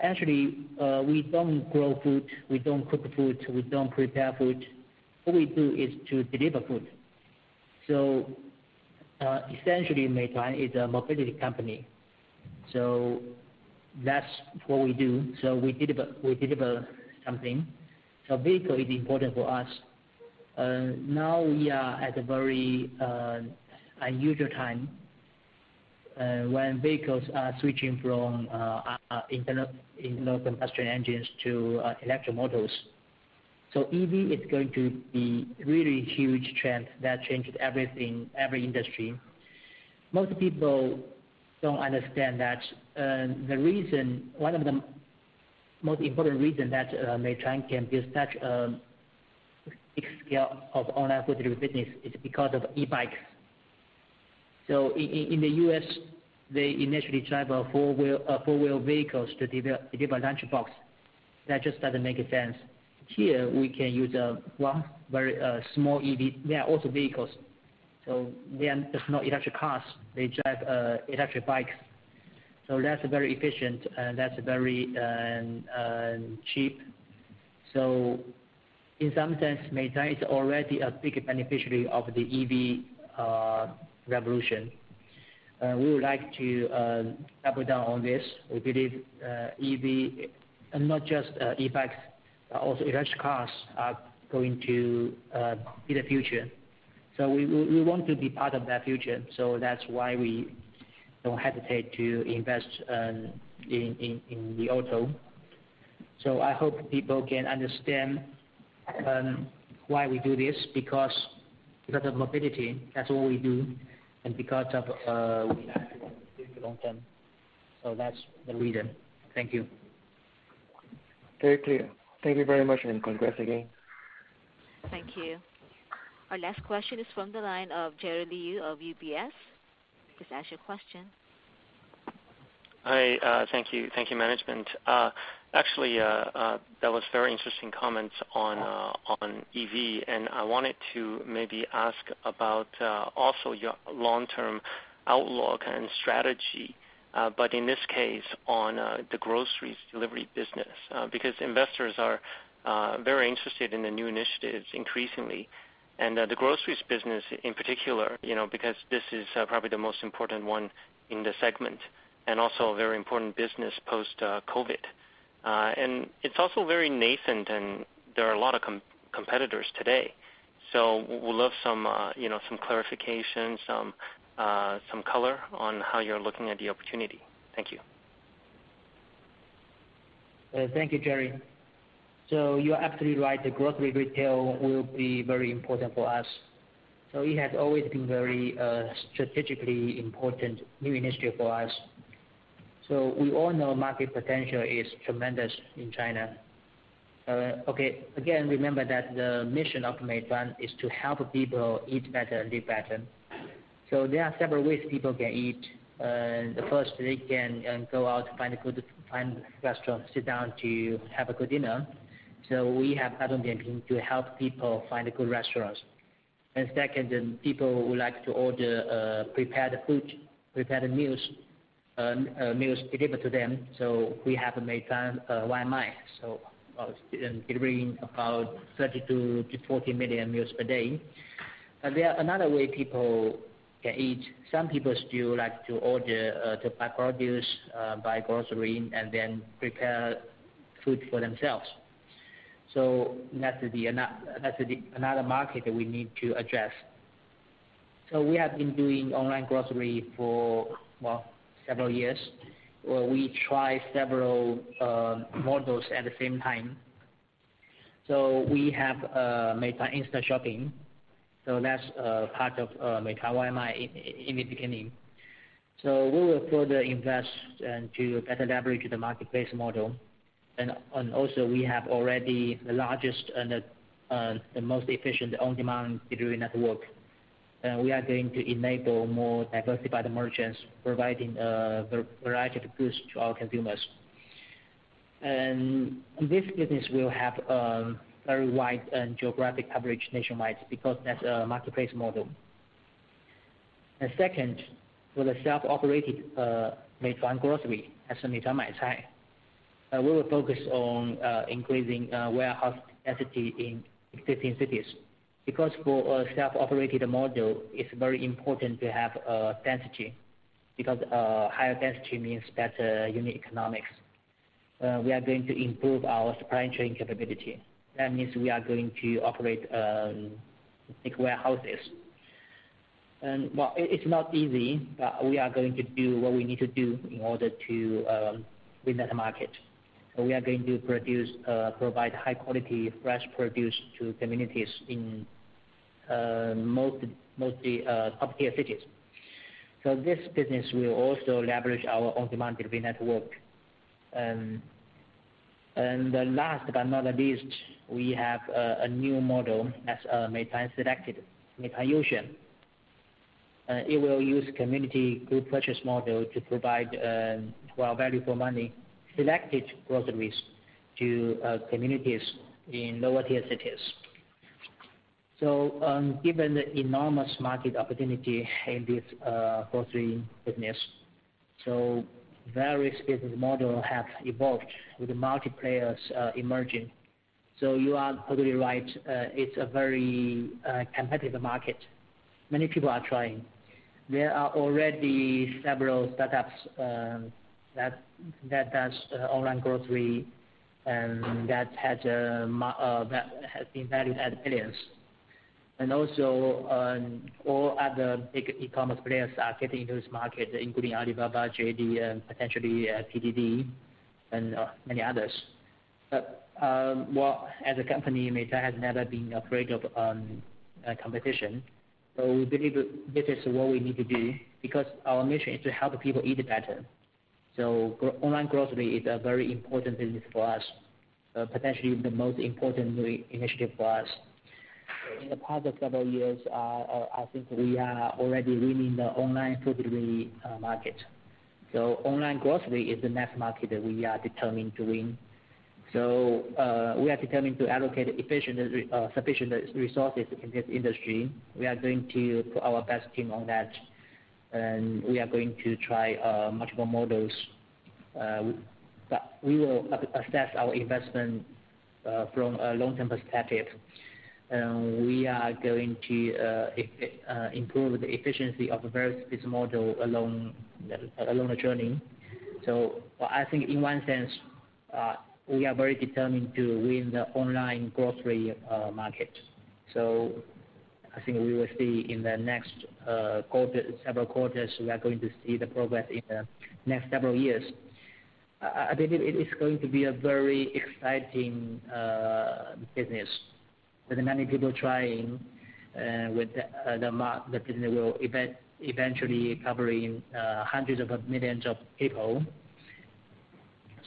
Actually, we don't grow food. We don't cook food. We don't prepare food. What we do is to deliver food. So essentially, Meituan is a mobility company. So that's what we do. So we deliver something. So vehicle is important for us. Now, we are at a very unusual time when vehicles are switching from internal combustion engines to electric motors. So EV is going to be a really huge trend that changes everything, every industry. Most people don't understand that the reason, one of the most important reasons that Meituan can build such a big scale of online food delivery business is because of e-bikes. So in the U.S., they initially drive four-wheel vehicles to deliver lunch boxes. That just doesn't make sense. Here, we can use one very small EV. There are also vehicles. So they are not electric cars. They drive electric bikes. So that's very efficient, and that's very cheap. So in some sense, Meituan is already a big beneficiary of the EV revolution. We would like to double down on this. We believe EV, and not just e-bikes, but also electric cars are going to be the future. So we want to be part of that future. So that's why we don't hesitate to invest in Li Auto. So I hope people can understand why we do this because of mobility. That's what we do. And because of long-term. So that's the reason. Thank you. Very clear. Thank you very much, and congrats again. Thank you. Our last question is from the line of Jerry Liu of UBS. Please ask your question. Hi. Thank you. Thank you, Management. Actually, that was very interesting comments on EV, and I wanted to maybe ask about also your long-term outlook and strategy, but in this case on the groceries delivery business because investors are very interested in the new initiatives increasingly. And the groceries business in particular because this is probably the most important one in the segment and also a very important business post-COVID. And it's also very nascent, and there are a lot of competitors today. So we'll love some clarification, some color on how you're looking at the opportunity. Thank you. Thank you, Jerry. So you're absolutely right. The grocery retail will be very important for us. So it has always been a very strategically important new initiative for us. So we all know market potential is tremendous in China. Okay. Again, remember that the mission of Meituan is to help people eat better and live better. So there are several ways people can eat. The first, they can go out, find a good restaurant, sit down to have a good dinner. So we have Dianping to help people find good restaurants. And second, people would like to order prepared food, prepared meals delivered to them. So we have Meituan Waimai, so delivering about 30-40 million meals per day. But there are another way people can eat. Some people still like to order to buy produce, buy grocery, and then prepare food for themselves. So that's another market that we need to address. We have been doing online grocery for, well, several years, where we try several models at the same time. We have Meituan Instashopping. That's part of Meituan Waimai in the beginning. We will further invest to better leverage the marketplace model. Also, we have already the largest and the most efficient on-demand delivery network. We are going to enable more diversified merchants, providing a variety of goods to our consumers. This business will have a very wide geographic coverage nationwide because that's a marketplace model. Second, for the self-operated Meituan Maicai, we will focus on increasing warehouse density in 15 cities because for a self-operated model, it's very important to have density because higher density means better unit economics. We are going to improve our supply chain capability. That means we are going to operate big warehouses. And while it's not easy, but we are going to do what we need to do in order to win that market. So we are going to produce, provide high-quality fresh produce to communities in mostly top-tier cities. So this business will also leverage our on-demand delivery network. And last but not least, we have a new model that's Meituan Select, Meituan Youxuan. It will use a community group purchase model to provide value for money, selected groceries to communities in lower-tier cities. So given the enormous market opportunity in this grocery business, so various business models have evolved with multi-players emerging. So you are totally right. It's a very competitive market. Many people are trying. There are already several startups that do online grocery that has been valued at billions. And also, all other big e-commerce players are getting into this market, including Alibaba, JD, and potentially PDD, and many others. But well, as a company, Meituan has never been afraid of competition. So we believe this is what we need to do because our mission is to help people eat better. So online grocery is a very important business for us, potentially the most important initiative for us. In the past several years, I think we are already winning the online food delivery market. So online grocery is the next market that we are determined to win. So we are determined to allocate sufficient resources in this industry. We are going to put our best team on that, and we are going to try multiple models. But we will assess our investment from a long-term perspective. We are going to improve the efficiency of various business models along the journey. So I think in one sense, we are very determined to win the online grocery market. So I think we will see in the next several quarters, we are going to see the progress in the next several years. I believe it is going to be a very exciting business with many people trying. The business will eventually cover hundreds of millions of people.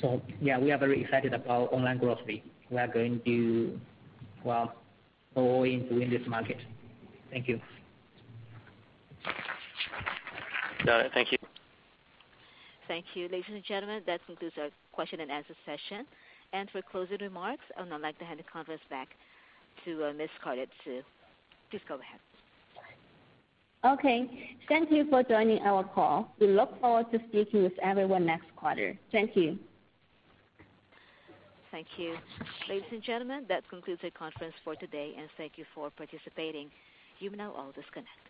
So yeah, we are very excited about online grocery. We are going to, well, go all in to win this market. Thank you. Got it. Thank you. Thank you. Ladies and gentlemen, that concludes our question-and-answer session. For closing remarks, I would like to hand the conference back to Ms. Scarlett Xu. Please go ahead. Okay. Thank you for joining our call. We look forward to speaking with everyone next quarter. Thank you. Thank you. Ladies and gentlemen, that concludes our conference for today, and thank you for participating. You may now all disconnect.